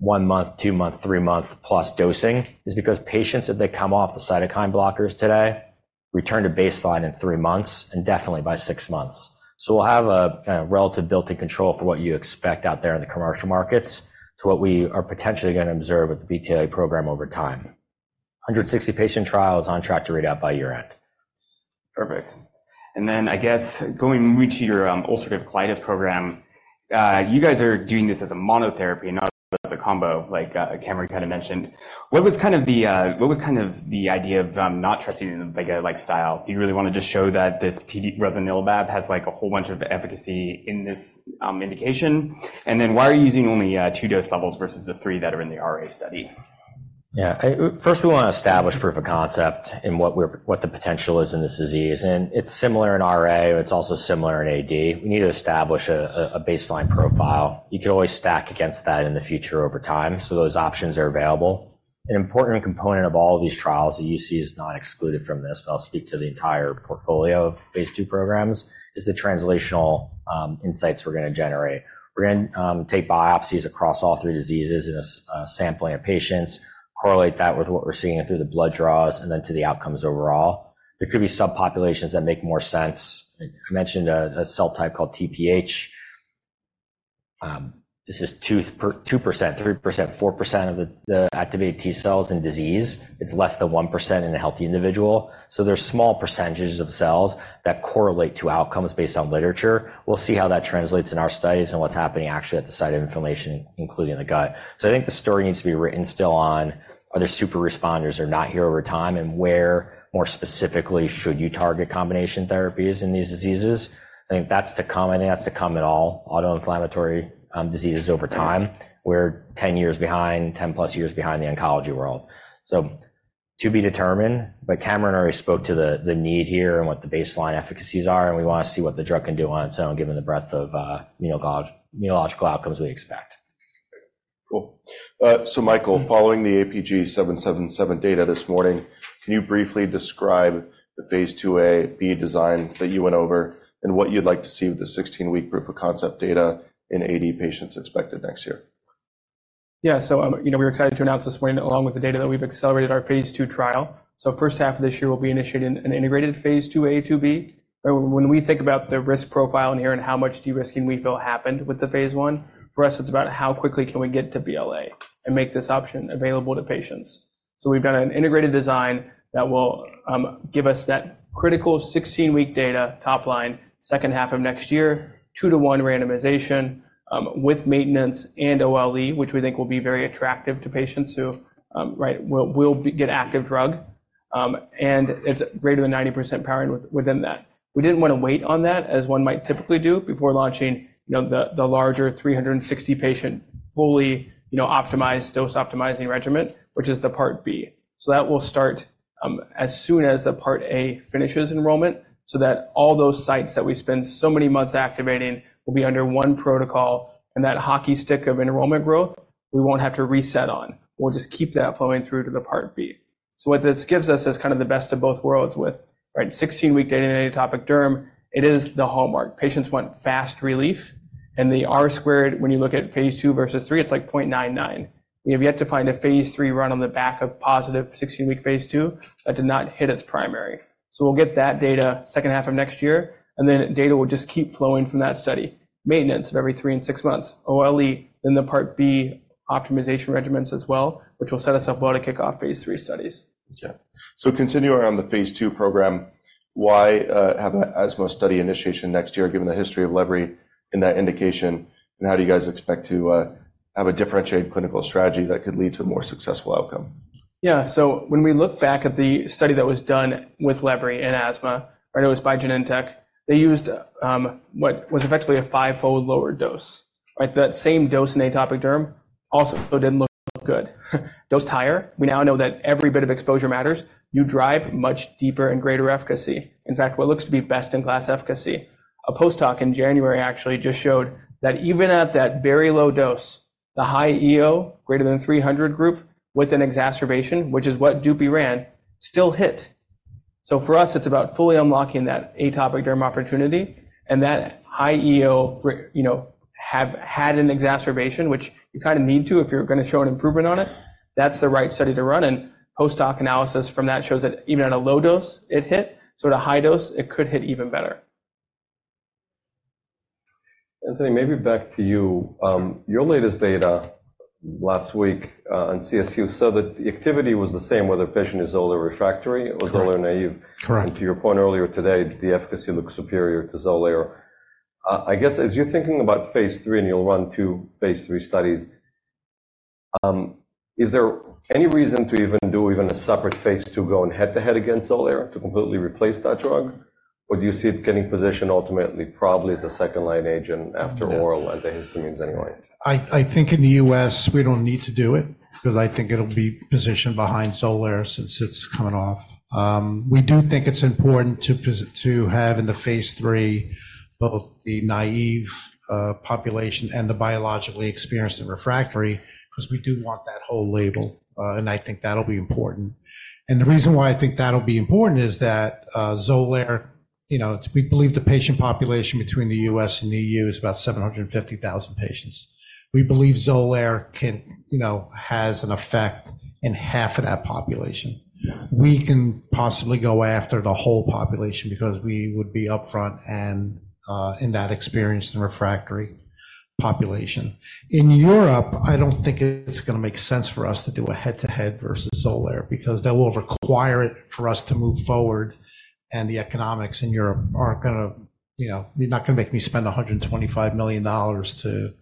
[SPEAKER 2] 1-month, 2-month, 3-month plus dosing is because patients, if they come off the cytokine blockers today, return to baseline in 3 months and definitely by 6 months. So we'll have a relative built-in control for what you expect out there in the commercial markets to what we are potentially going to observe with the BTLA program over time. 160-patient trials on track to read out by year-end.
[SPEAKER 8] Perfect. Then I guess regarding your ulcerative colitis program, you guys are doing this as a monotherapy and not as a combo, like Cameron kind of mentioned. What was the idea of not testing an Entyvio-like style? Do you really want to just show that this rosnilimab has a whole bunch of efficacy in this indication? And then why are you using only two dose levels versus the three that are in the RA study?
[SPEAKER 6] Yeah. First, we want to establish proof of concept in what the potential is in this disease. It's similar in RA. It's also similar in AD. We need to establish a baseline profile. You could always stack against that in the future over time. Those options are available. An important component of all of these trials that you see is not excluded from this, but I'll speak to the entire portfolio of phase two programs, is the translational insights we're going to generate. We're going to take biopsies across all three diseases in sampling of patients, correlate that with what we're seeing through the blood draws, and then to the outcomes overall. There could be subpopulations that make more sense. I mentioned a cell type called TPH. This is 2%, 3%, 4% of the activated T cells in disease. It's less than 1% in a healthy individual. So there's small percentages of cells that correlate to outcomes based on literature. We'll see how that translates in our studies and what's happening actually at the site of inflammation, including the gut. So I think the story needs to be written still on are there super responders that are not here over time, and where more specifically should you target combination therapies in these diseases? I think that's to come. I think that's to come at all autoinflammatory diseases over time. We're 10 years behind, 10-plus years behind the oncology world. So to be determined. But Cameron already spoke to the need here and what the baseline efficacies are. And we want to see what the drug can do on its own given the breadth of immunological outcomes we expect.
[SPEAKER 4] Cool. So Michael, following the APG777 data this morning, can you briefly describe the phase 2 AD design that you went over and what you'd like to see with the 16-week proof of concept data in AD patients expected next year?
[SPEAKER 5] Yeah. So we're excited to announce this morning, along with the data that we've accelerated our phase 2 trial. So first half of this year, we'll be initiating an integrated phase 2 A to B. When we think about the risk profile in here and how much de-risking we feel happened with the phase 1, for us, it's about how quickly can we get to BLA and make this option available to patients. So we've done an integrated design that will give us that critical 16-week data topline second half of next year, 2-to-1 randomization with maintenance and OLE, which we think will be very attractive to patients who will get active drug. And it's greater than 90% powering within that. We didn't want to wait on that as one might typically do before launching the larger 360-patient fully optimized dose-optimizing regimen, which is the part B. So that will start as soon as the part A finishes enrollment so that all those sites that we spend so many months activating will be under one protocol. And that hockey stick of enrollment growth, we won't have to reset on. We'll just keep that flowing through to the part B. So what this gives us is kind of the best of both worlds with 16-week data in atopic derm. It is the hallmark. Patients want fast relief. And the R-squared, when you look at phase 2 versus 3, it's like 0.99. We have yet to find a phase 3 run on the back of positive 16-week phase 2 that did not hit its primary. So we'll get that data second half of next year, and then data will just keep flowing from that study. Maintenance of every 3 and 6 months, OLE, then the part B optimization regimens as well, which will set us up well to kick off phase 3 studies.
[SPEAKER 4] Okay. So continuing on the phase 2 program, why have an asthma study initiation next year given the history of lebrikizumab in that indication, and how do you guys expect to have a differentiated clinical strategy that could lead to a more successful outcome?
[SPEAKER 5] Yeah. So when we look back at the study that was done with lebrikizumab and asthma, it was by Genentech. They used what was effectively a five-fold lower dose. That same dose in atopic derm also didn't look good. Dose higher. We now know that every bit of exposure matters. You drive much deeper and greater efficacy. In fact, what looks to be best-in-class efficacy. A post hoc in January actually just showed that even at that very low dose, the high EO, greater than 300 group, with an exacerbation, which is what Dupixent ran, still hit. So for us, it's about fully unlocking that atopic derm opportunity. And that high EO had an exacerbation, which you kind of need to if you're going to show an improvement on it. That's the right study to run. And post hoc analysis from that shows that even at a low dose, it hit. At a high dose, it could hit even better.
[SPEAKER 4] Anthony, maybe back to you. Your latest data last week on CSU said that the activity was the same, whether patient is Barzol refractory or Barzol naive. And to your point earlier today, the efficacy looks superior to Barzol. I guess as you're thinking about phase 3 and you'll run 2 phase 3 studies, is there any reason to even do even a separate phase 2 go and head-to-head against Barzol to completely replace that drug? Or do you see it getting positioned ultimately probably as a second-line agent after oral antihistamines anyway?
[SPEAKER 3] I think in the U.S., we don't need to do it because I think it'll be positioned behind Xolair since it's coming off. We do think it's important to have in the phase 3 both the naive population and the biologic experienced and refractory because we do want that whole label. And I think that'll be important. And the reason why I think that'll be important is that Xolair, we believe the patient population between the U.S. and the E.U. is about 750,000 patients. We believe Xolair has an effect in half of that population. We can possibly go after the whole population because we would be upfront in that experienced and refractory population. In Europe, I don't think it's going to make sense for us to do a head-to-head versus Xolair because that will require it for us to move forward. The economics in Europe aren't going to. You're not going to make me spend $125 million to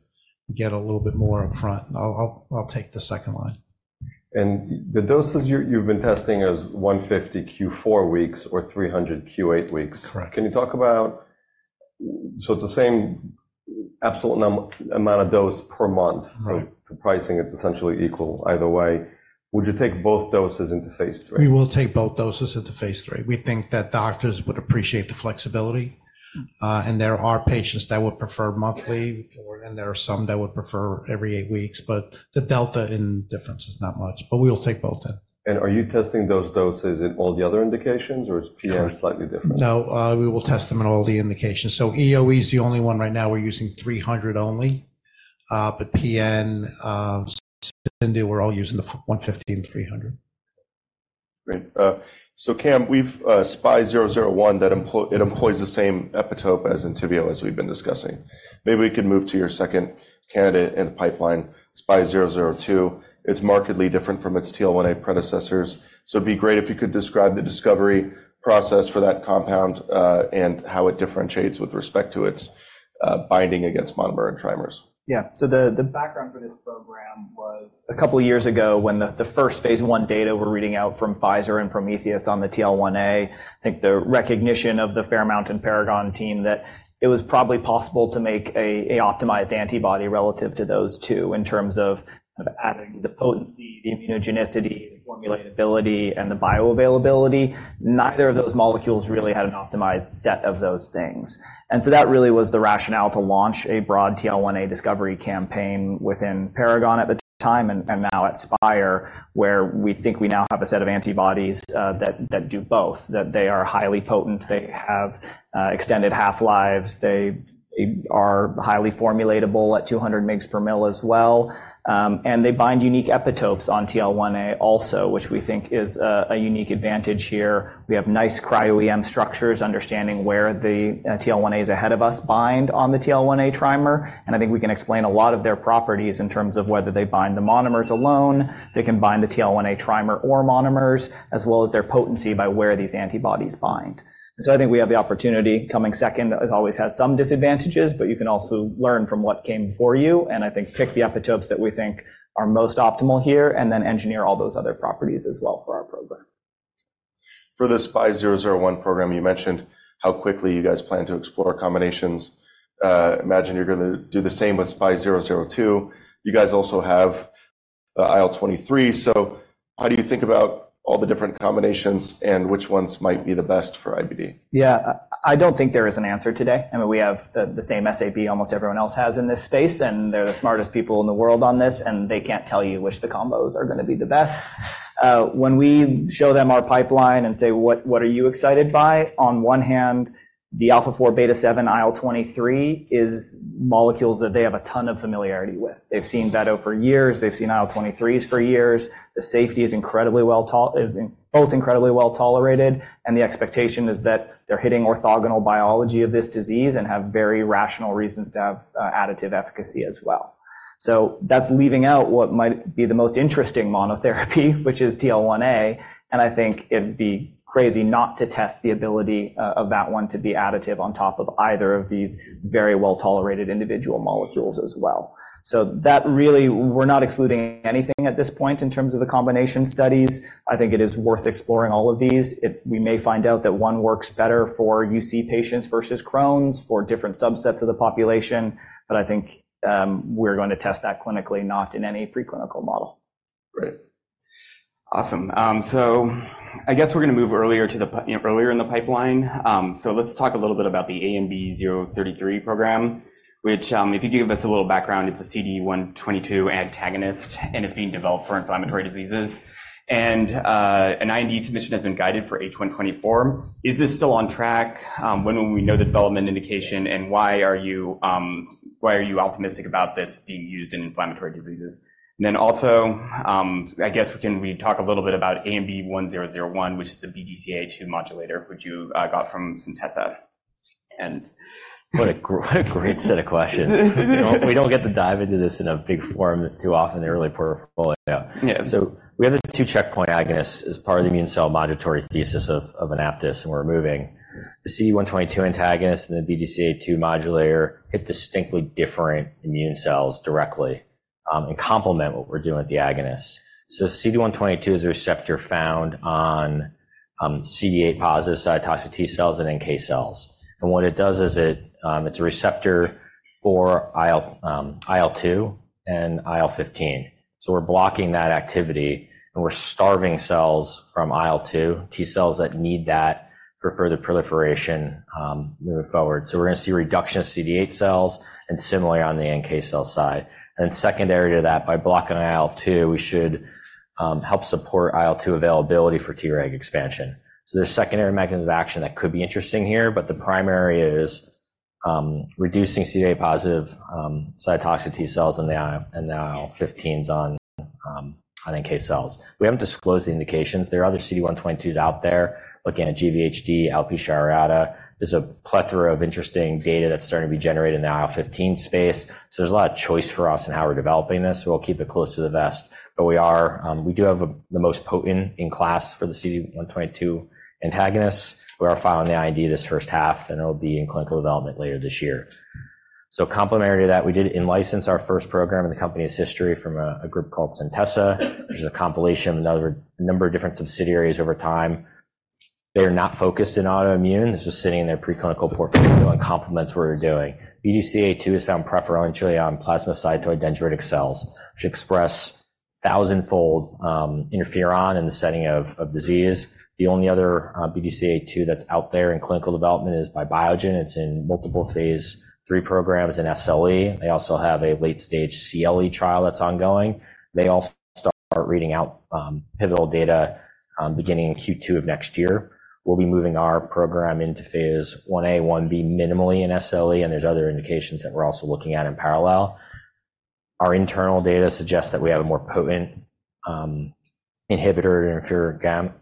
[SPEAKER 3] get a little bit more upfront. I'll take the second line.
[SPEAKER 4] The doses you've been testing are 150 q4 weeks or 300 q8 weeks. Can you talk about, so it's the same absolute amount of dose per month. The pricing is essentially equal either way. Would you take both doses into phase 3?
[SPEAKER 3] We will take both doses into phase 3. We think that doctors would appreciate the flexibility. There are patients that would prefer monthly, and there are some that would prefer every eight weeks. The delta in difference is not much. We will take both in.
[SPEAKER 4] Are you testing those doses in all the other indications, or is PN slightly different?
[SPEAKER 3] No. We will test them in all the indications. So EoE is the only one right now. We're using 300 only. But PN, CIndU, we're all using the 150 and 300.
[SPEAKER 4] Great. So Cam, we've SPY001. It employs the same epitope as Entyvio as we've been discussing. Maybe we can move to your second candidate in the pipeline, SPY002. It's markedly different from its TL1A predecessors. So it'd be great if you could describe the discovery process for that compound and how it differentiates with respect to its binding against monomer and trimers.
[SPEAKER 6] Yeah. So the background for this program was a couple of years ago when the first phase 1 data we're reading out from Pfizer and Prometheus on the TL1A. I think the recognition of the Fairmount and Paragon team that it was probably possible to make an optimized antibody relative to those two in terms of adding the potency, the immunogenicity, the formulability, and the bioavailability. Neither of those molecules really had an optimized set of those things. And so that really was the rationale to launch a broad TL1A discovery campaign within Paragon at the time and now at Spyre, where we think we now have a set of antibodies that do both, that they are highly potent, they have extended half-lives, they are highly formulatable at 200 mg per mL as well, and they bind unique epitopes on TL1A also, which we think is a unique advantage here. We have nice cryo-EM structures, understanding where the TL1As ahead of us bind on the TL1A trimer. And I think we can explain a lot of their properties in terms of whether they bind the monomers alone, they can bind the TL1A trimer or monomers, as well as their potency by where these antibodies bind. And so I think we have the opportunity coming second, as always, has some disadvantages, but you can also learn from what came before you and I think pick the epitopes that we think are most optimal here and then engineer all those other properties as well for our program.
[SPEAKER 4] For the SPY001 program, you mentioned how quickly you guys plan to explore combinations. Imagine you're going to do the same with SPY002. You guys also have IL-23. So how do you think about all the different combinations and which ones might be the best for IBD?
[SPEAKER 6] Yeah. I don't think there is an answer today. I mean, we have the same SAP almost everyone else has in this space, and they're the smartest people in the world on this, and they can't tell you which the combos are going to be the best. When we show them our pipeline and say, "What are you excited by?" on one hand, the alpha-4 beta-7 IL-23 is molecules that they have a ton of familiarity with. They've seen Vedo for years. They've seen IL-23s for years. The safety is both incredibly well tolerated, and the expectation is that they're hitting orthogonal biology of this disease and have very rational reasons to have additive efficacy as well. So that's leaving out what might be the most interesting monotherapy, which is TL1A. I think it'd be crazy not to test the ability of that one to be additive on top of either of these very well-tolerated individual molecules as well. We're not excluding anything at this point in terms of the combination studies. I think it is worth exploring all of these. We may find out that one works better for UC patients versus Crohn's for different subsets of the population, but I think we're going to test that clinically, not in any preclinical model.
[SPEAKER 4] Great. Awesome. So I guess we're going to move earlier in the pipeline. So let's talk a little bit about the ANB033 program, which if you give us a little background, it's a CD122 antagonist, and it's being developed for inflammatory diseases. And an IND submission has been guided for H1 2024. Is this still on track? When will we know the development indication, and why are you optimistic about this being used in inflammatory diseases? And then also, I guess we can talk a little bit about ANB1001, which is the BDCA2 modulator, which you got from Centessa.
[SPEAKER 2] And what a great set of questions. We don't get to dive into this in a big form too often in the early portfolio. So we have the two checkpoint agonists as part of the immune cell modulatory thesis of AnaptysBio, and we're moving. The CD122 antagonist and the BDCA2 modulator hit distinctly different immune cells directly and complement what we're doing with the agonists. CD122 is a receptor found on CD8-positive cytotoxic T cells and NK cells. What it does is it's a receptor for IL-2 and IL-15. We're blocking that activity, and we're starving cells from IL-2, T cells that need that for further proliferation moving forward. We're going to see reduction of CD8 cells and similarly on the NK cell side. Then secondary to that, by blocking IL-2, we should help support IL-2 availability for Treg expansion. There's secondary mechanisms of action that could be interesting here, but the primary is reducing CD8-positive cytotoxic T cells and the IL-15s on NK cells. We haven't disclosed the indications. There are other CD122s out there. Looking at GVHD, alopecia areata, there's a plethora of interesting data that's starting to be generated in the IL-15 space. So there's a lot of choice for us in how we're developing this. So we'll keep it close to the vest. But we do have the most potent in class for the CD122 antagonist. We are filing the IND this first half, and it'll be in clinical development later this year. So complementary to that, we did in-license our first program in the company's history from a group called Centessa, which is a compilation of a number of different subsidiaries over time. They are not focused in autoimmune. This is sitting in their preclinical portfolio and complements what we're doing. BDCA2 is found preferentially on plasmacytoid dendritic cells, which express thousandfold interferon in the setting of disease. The only other BDCA2 that's out there in clinical development is by Biogen. It's in multiple phase 3 programs in SLE. They also have a late-stage CLE trial that's ongoing. They also start reading out pivotal data beginning in Q2 of next year. We'll be moving our program into phase 1A, 1B minimally in SLE, and there's other indications that we're also looking at in parallel. Our internal data suggests that we have a more potent inhibitor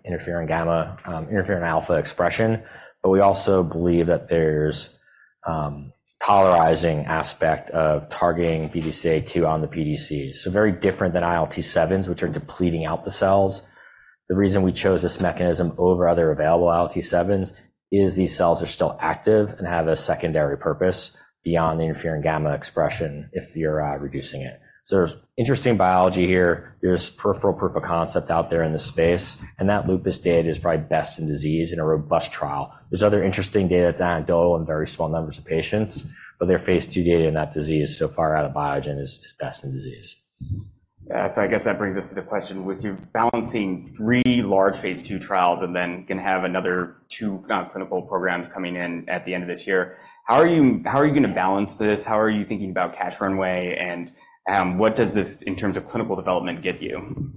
[SPEAKER 2] interferon alpha expression, but we also believe that there's a tolerizing aspect of targeting BDCA2 on the PDCs. So very different than ILT7s, which are depleting out the cells. The reason we chose this mechanism over other available ILT7s is these cells are still active and have a secondary purpose beyond the interferon gamma expression if you're reducing it. So there's interesting biology here. There's peripheral proof of concept out there in this space, and that lupus data is probably best in disease in a robust trial. There's other interesting data that's anecdotal in very small numbers of patients, but their phase 2 data in that disease so far out of Biogen is best in disease.
[SPEAKER 4] Yeah. I guess that brings us to the question with you balancing three large phase 2 trials and then going to have another two clinical programs coming in at the end of this year. How are you going to balance this? How are you thinking about cash runway, and what does this in terms of clinical development get you?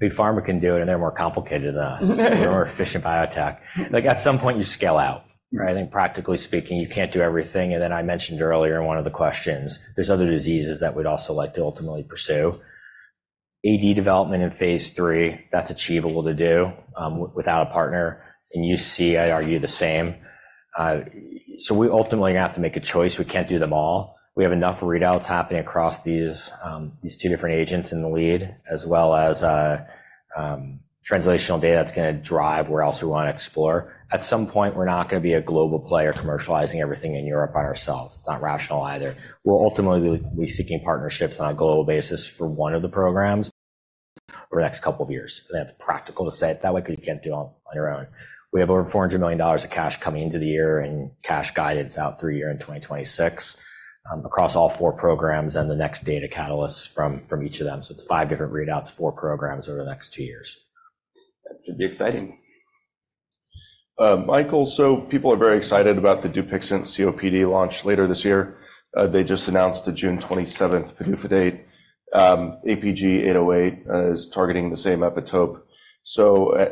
[SPEAKER 2] Big Pharma can do it, and they're more complicated than us. They're more efficient biotech. At some point, you scale out, right? I think practically speaking, you can't do everything. Then I mentioned earlier in one of the questions, there's other diseases that we'd also like to ultimately pursue. AD development in phase three, that's achievable to do without a partner, and UC, I argue the same. So we ultimately have to make a choice. We can't do them all. We have enough readouts happening across these two different agents in the lead as well as translational data that's going to drive where else we want to explore. At some point, we're not going to be a global player commercializing everything in Europe on ourselves. It's not rational either. We'll ultimately be seeking partnerships on a global basis for one of the programs over the next couple of years. That's practical to say it that way because you can't do it on your own. We have over $400 million of cash coming into the year and cash guidance out through the year in 2026 across all four programs and the next data catalysts from each of them. It's five different readouts, four programs over the next two years.
[SPEAKER 4] That should be exciting. Michael, so people are very excited about the Dupixent COPD launch later this year. They just announced the June 27th PDUFA date. APG808 is targeting the same epitope.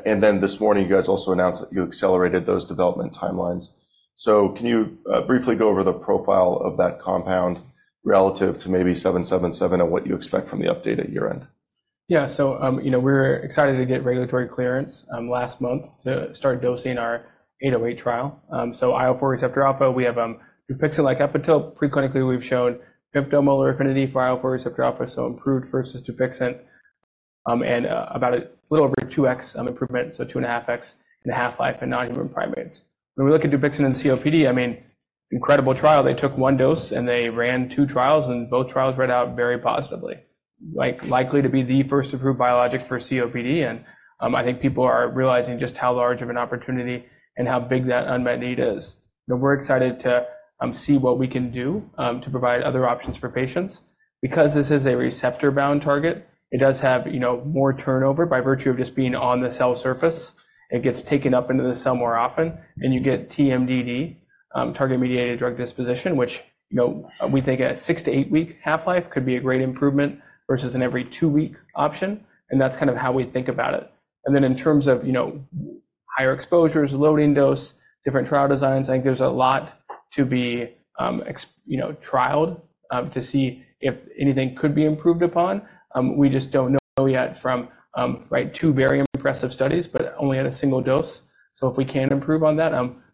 [SPEAKER 4] And then this morning, you guys also announced that you accelerated those development timelines. So can you briefly go over the profile of that compound relative to maybe 777 and what you expect from the update at year-end?
[SPEAKER 5] Yeah. So we're excited to get regulatory clearance last month to start dosing our 808 trial. So IL-4 receptor alpha, we have Dupixent-like epitope. Preclinically, we've shown 5 nanomolar affinity for IL-4 receptor alpha, so improved versus Dupixent and about a little over 2x improvement, so 2.5x in half-life in non-human primates. When we look at Dupixent and COPD, I mean, incredible trial. They took one dose, and they ran two trials, and both trials read out very positively, likely to be the first approved biologic for COPD. And I think people are realizing just how large of an opportunity and how big that unmet need is. We're excited to see what we can do to provide other options for patients. Because this is a receptor-bound target, it does have more turnover by virtue of just being on the cell surface. It gets taken up into the cell more often, and you get TMDD, Target-Mediated Drug Disposition, which we think a 6- to 8-week half-life could be a great improvement versus an every-2-week option. That's kind of how we think about it. Then in terms of higher exposures, loading dose, different trial designs, I think there's a lot to be trialed to see if anything could be improved upon. We just don't know yet from 2 very impressive studies, but only at a single dose. If we can improve on that,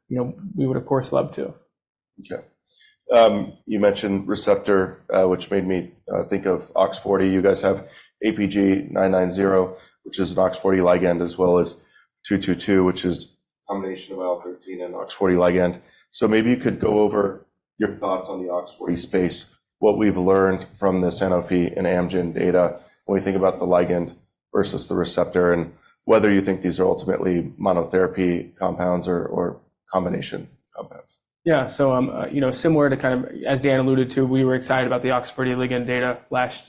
[SPEAKER 5] we would, of course, love to.
[SPEAKER 4] Okay. You mentioned receptor, which made me think of OX40. You guys have APG990, which is an OX40 ligand, as well as 222, which is a combination of IL-13 and OX40 ligand. So maybe you could go over your thoughts on the OX40 space, what we've learned from the Sanofi and Amgen data when we think about the ligand versus the receptor, and whether you think these are ultimately monotherapy compounds or combination compounds.
[SPEAKER 5] Yeah. So similar to kind of as Dan alluded to, we were excited about the OX40 ligand data last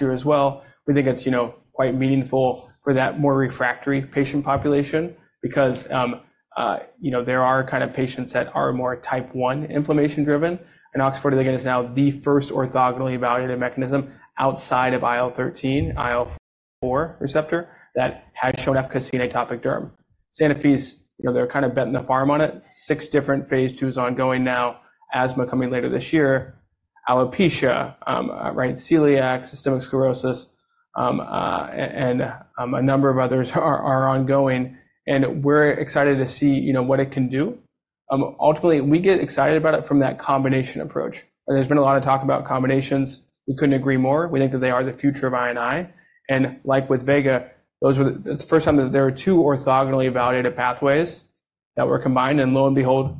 [SPEAKER 5] year as well. We think it's quite meaningful for that more refractory patient population because there are kind of patients that are more type 1 inflammation-driven, and OX40 ligand is now the first orthogonally evaluated mechanism outside of IL-13, IL-4 receptor that has shown efficacy in atopic dermatitis. Sanofi, they're kind of betting the farm on it. 6 different phase twos ongoing now, asthma coming later this year, alopecia, right, celiac, systemic sclerosis, and a number of others are ongoing. And we're excited to see what it can do. Ultimately, we get excited about it from that combination approach. There's been a lot of talk about combinations. We couldn't agree more. We think that they are the future of I&I. Like with Vega, it's the first time that there are two orthogonally evaluated pathways that were combined. Lo and behold,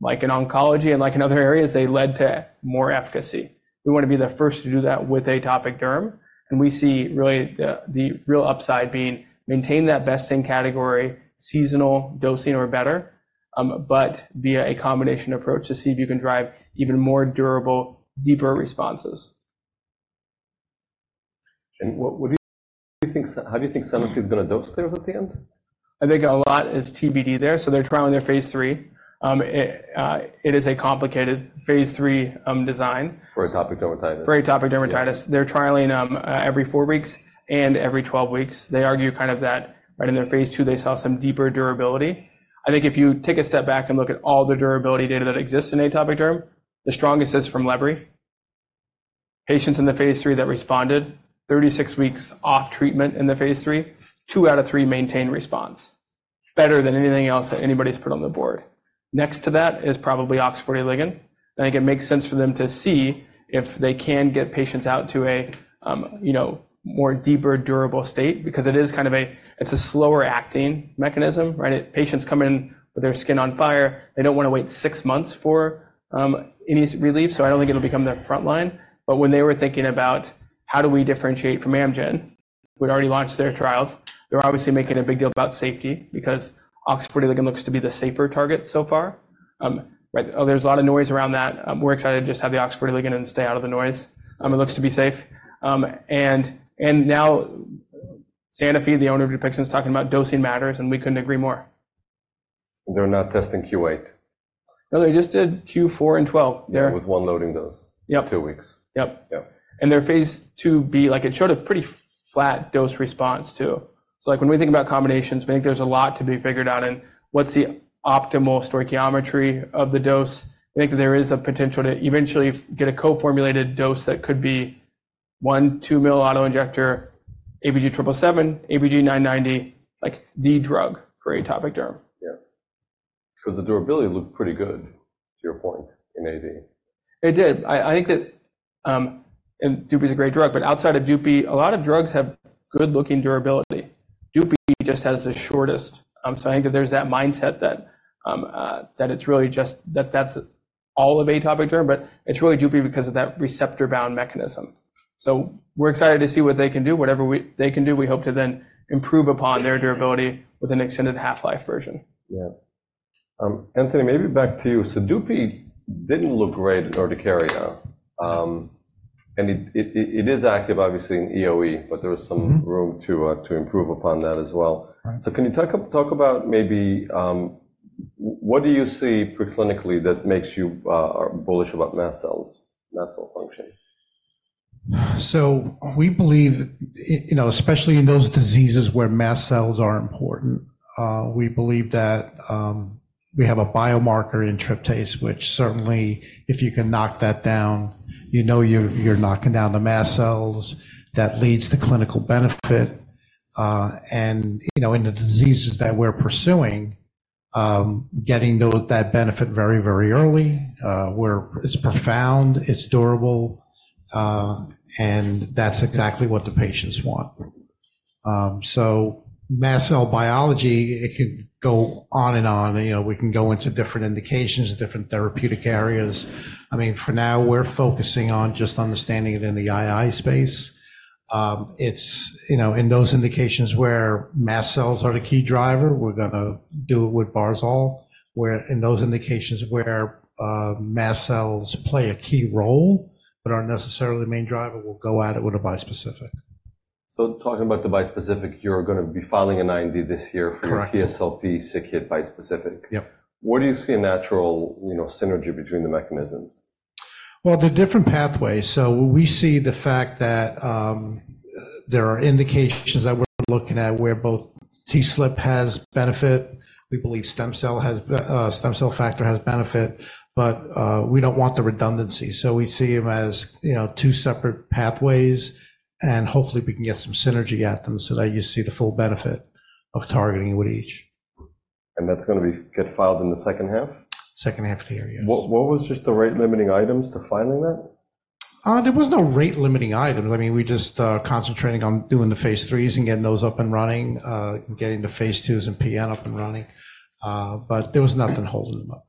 [SPEAKER 5] like in oncology and like in other areas, they led to more efficacy. We want to be the first to do that with atopic dermatitis. We see really the real upside being maintain that best-in-category seasonal dosing or better, but via a combination approach to see if you can drive even more durable, deeper responses.
[SPEAKER 4] What do you think? How do you think Sanofi is going to dose clearance at the end?
[SPEAKER 5] I think a lot is TBD there. So they're trialing their phase 3. It is a complicated phase 3 design.
[SPEAKER 4] For Atopic Dermatitis.
[SPEAKER 5] For atopic dermatitis. They're trialing every 4 weeks and every 12 weeks. They argue kind of that right in their phase 2, they saw some deeper durability. I think if you take a step back and look at all the durability data that exists in atopic dermatitis, the strongest is from Lebrikizumab. Patients in the phase 3 that responded, 36 weeks off treatment in the phase 3, 2 out of 3 maintained response, better than anything else that anybody's put on the board. Next to that is probably OX40 ligand. And I think it makes sense for them to see if they can get patients out to a more deeper, durable state because it is kind of a slower-acting mechanism, right? Patients come in with their skin on fire. They don't want to wait 6 months for any relief. So I don't think it'll become their front line. But when they were thinking about how do we differentiate from Amgen, we'd already launched their trials. They're obviously making a big deal about safety because OX40 ligand looks to be the safer target so far, right? There's a lot of noise around that. We're excited to just have the OX40 ligand and stay out of the noise. It looks to be safe. And now Sanofi, the owner of Dupixent, is talking about dosing matters, and we couldn't agree more.
[SPEAKER 4] They're not testing Q8.
[SPEAKER 5] No, they just did Q4 and 12.
[SPEAKER 4] With one loading dose for two weeks.
[SPEAKER 5] Yep. Their phase 2b showed a pretty flat dose-response too. So when we think about combinations, we think there's a lot to be figured out in what's the optimal stoichiometry of the dose. We think that there is a potential to eventually get a co-formulated dose that could be 1-2 milliliter autoinjector, APG777, APG990, the drug for atopic dermatitis.
[SPEAKER 4] Yeah. Because the durability looked pretty good to your point in AD.
[SPEAKER 5] It did. I think that and Dupi is a great drug. But outside of Dupi, a lot of drugs have good-looking durability. Dupi just has the shortest. So I think that there's that mindset that it's really just that that's all of atopic dermatitis, but it's really Dupi because of that receptor-bound mechanism. So we're excited to see what they can do. Whatever they can do, we hope to then improve upon their durability with an extended half-life version.
[SPEAKER 4] Yeah. Anthony, maybe back to you. Dupi didn't look great in urticaria. It is active, obviously, in EoE, but there is some room to improve upon that as well. So can you talk about maybe what do you see preclinically that makes you bullish about mast cells, mast cell function?
[SPEAKER 3] So we believe, especially in those diseases where mast cells are important, we believe that we have a biomarker in tryptase, which certainly, if you can knock that down, you know you're knocking down the mast cells. That leads to clinical benefit. And in the diseases that we're pursuing, getting that benefit very, very early, where it's profound, it's durable, and that's exactly what the patients want. So mast cell biology, it can go on and on. We can go into different indications, different therapeutic areas. I mean, for now, we're focusing on just understanding it in the I&I space. In those indications where mast cells are the key driver, we're going to do it with Barzol; in those indications where mast cells play a key role but aren't necessarily the main driver, we'll go at it with a bispecific.
[SPEAKER 4] So talking about the bispecific, you're going to be filing an IND this year for your TSLP Siglec-8 bispecific. Where do you see a natural synergy between the mechanisms?
[SPEAKER 3] Well, they're different pathways. So we see the fact that there are indications that we're looking at where both TSLP has benefit. We believe stem cell factor has benefit, but we don't want the redundancy. So we see them as two separate pathways, and hopefully, we can get some synergy at them so that you see the full benefit of targeting with each.
[SPEAKER 4] That's going to get filed in the second half?
[SPEAKER 3] Second half of the year, yes.
[SPEAKER 4] What was just the rate-limiting items to filing that?
[SPEAKER 3] There was no rate-limiting items. I mean, we're just concentrating on doing the phase 3s and getting those up and running, getting the phase 2s and PN up and running. But there was nothing holding them up.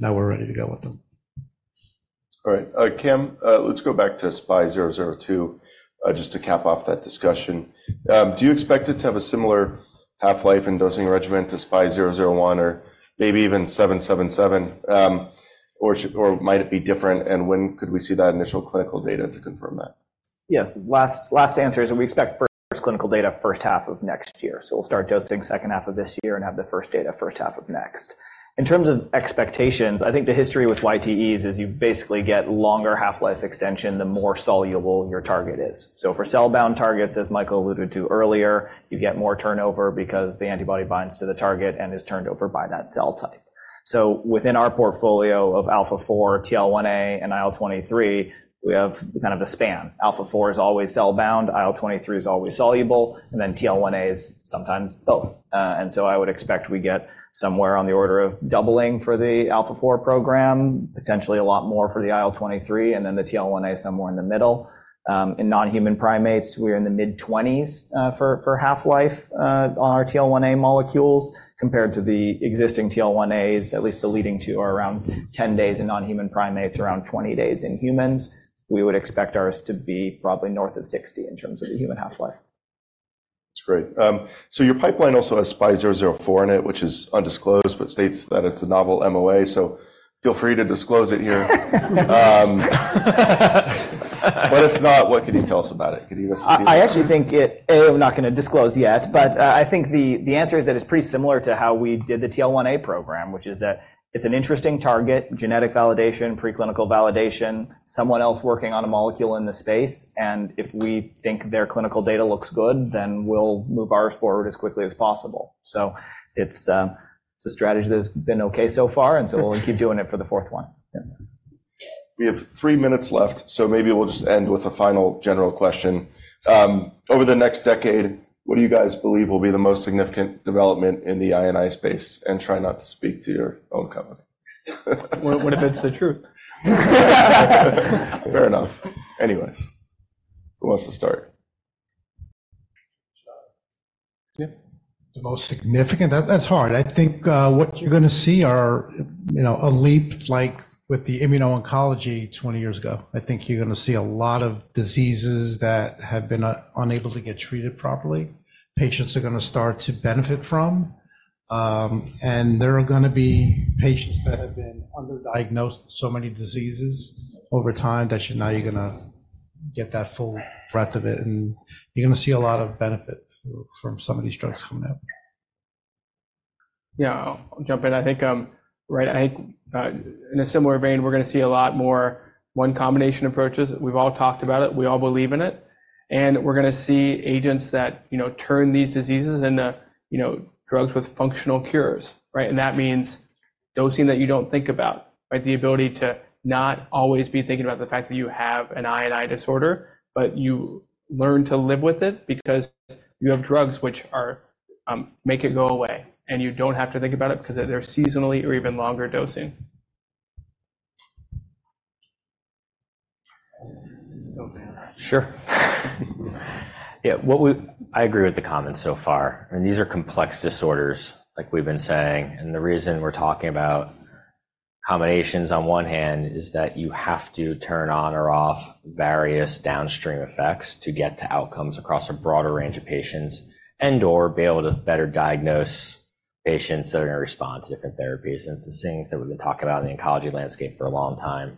[SPEAKER 3] Now we're ready to go with them.
[SPEAKER 4] All right. Cam, let's go back to SPY002 just to cap off that discussion. Do you expect it to have a similar half-life and dosing regimen to SPY001 or maybe even 777, or might it be different? And when could we see that initial clinical data to confirm that?
[SPEAKER 6] Yes. Last answer is we expect first clinical data first half of next year. So we'll start dosing second half of this year and have the first data first half of next. In terms of expectations, I think the history with YTEs is you basically get longer half-life extension the more soluble your target is. So for cell-bound targets, as Michael alluded to earlier, you get more turnover because the antibody binds to the target and is turned over by that cell type. So within our portfolio of alpha-4, TL1A, and IL-23, we have kind of a span. Alpha-4 is always cell-bound. IL-23 is always soluble. And then TL1A is sometimes both. And so I would expect we get somewhere on the order of doubling for the alpha-4 program, potentially a lot more for the IL-23, and then the TL1A somewhere in the middle. In non-human primates, we're in the mid-20s for half-life on our TL1A molecules compared to the existing TL1As, at least the leading two are around 10 days in non-human primates, around 20 days in humans. We would expect ours to be probably north of 60 in terms of the human half-life.
[SPEAKER 4] That's great. So your pipeline also has SPY004 in it, which is undisclosed but states that it's a novel MOA. So feel free to disclose it here. But if not, what can you tell us about it? Can you?
[SPEAKER 6] I actually think it. I'm not going to disclose yet. But I think the answer is that it's pretty similar to how we did the TL1A program, which is that it's an interesting target, genetic validation, preclinical validation, someone else working on a molecule in the space. And if we think their clinical data looks good, then we'll move ours forward as quickly as possible. So it's a strategy that's been okay so far, and so we'll keep doing it for the fourth one.
[SPEAKER 4] We have three minutes left, so maybe we'll just end with a final general question. Over the next decade, what do you guys believe will be the most significant development in the I&I space? And try not to speak to your own company.
[SPEAKER 6] What if it's the truth?
[SPEAKER 4] Fair enough. Anyways, who wants to start?
[SPEAKER 3] The most significant? That's hard. I think what you're going to see are a leap like with the immuno-oncology 20 years ago. I think you're going to see a lot of diseases that have been unable to get treated properly. Patients are going to start to benefit from. And there are going to be patients that have been underdiagnosed with so many diseases over time that you're now going to get that full breadth of it. And you're going to see a lot of benefit from some of these drugs coming out.
[SPEAKER 2] Yeah. I'll jump in. I think, right, I think in a similar vein, we're going to see a lot more one combination approaches. We've all talked about it. We all believe in it. And we're going to see agents that turn these diseases into drugs with functional cures, right? And that means dosing that you don't think about, right? The ability to not always be thinking about the fact that you have an I&I disorder, but you learn to live with it because you have drugs which make it go away, and you don't have to think about it because they're seasonally or even longer dosing.
[SPEAKER 5] Sure. Yeah. I agree with the comments so far. These are complex disorders, like we've been saying. The reason we're talking about combinations on one hand is that you have to turn on or off various downstream effects to get to outcomes across a broader range of patients and/or be able to better diagnose patients that are going to respond to different therapies. It's the things that we've been talking about in the oncology landscape for a long time.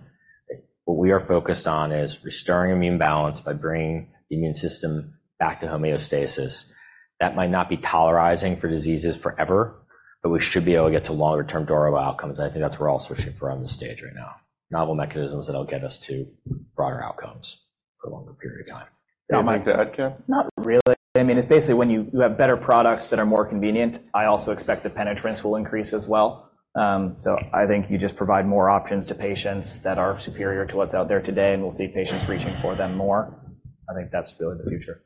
[SPEAKER 5] What we are focused on is restoring immune balance by bringing the immune system back to homeostasis. That might not be tolerizing for diseases forever, but we should be able to get to longer-term durable outcomes. I think that's where all switching for on this stage right now, novel mechanisms that'll get us to broader outcomes for a longer period of time.
[SPEAKER 4] Do you mind to add, Cam?
[SPEAKER 6] Not really. I mean, it's basically when you have better products that are more convenient, I also expect the penetrants will increase as well. So I think you just provide more options to patients that are superior to what's out there today, and we'll see patients reaching for them more. I think that's really the future.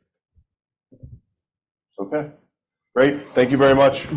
[SPEAKER 4] Okay. Great. Thank you very much.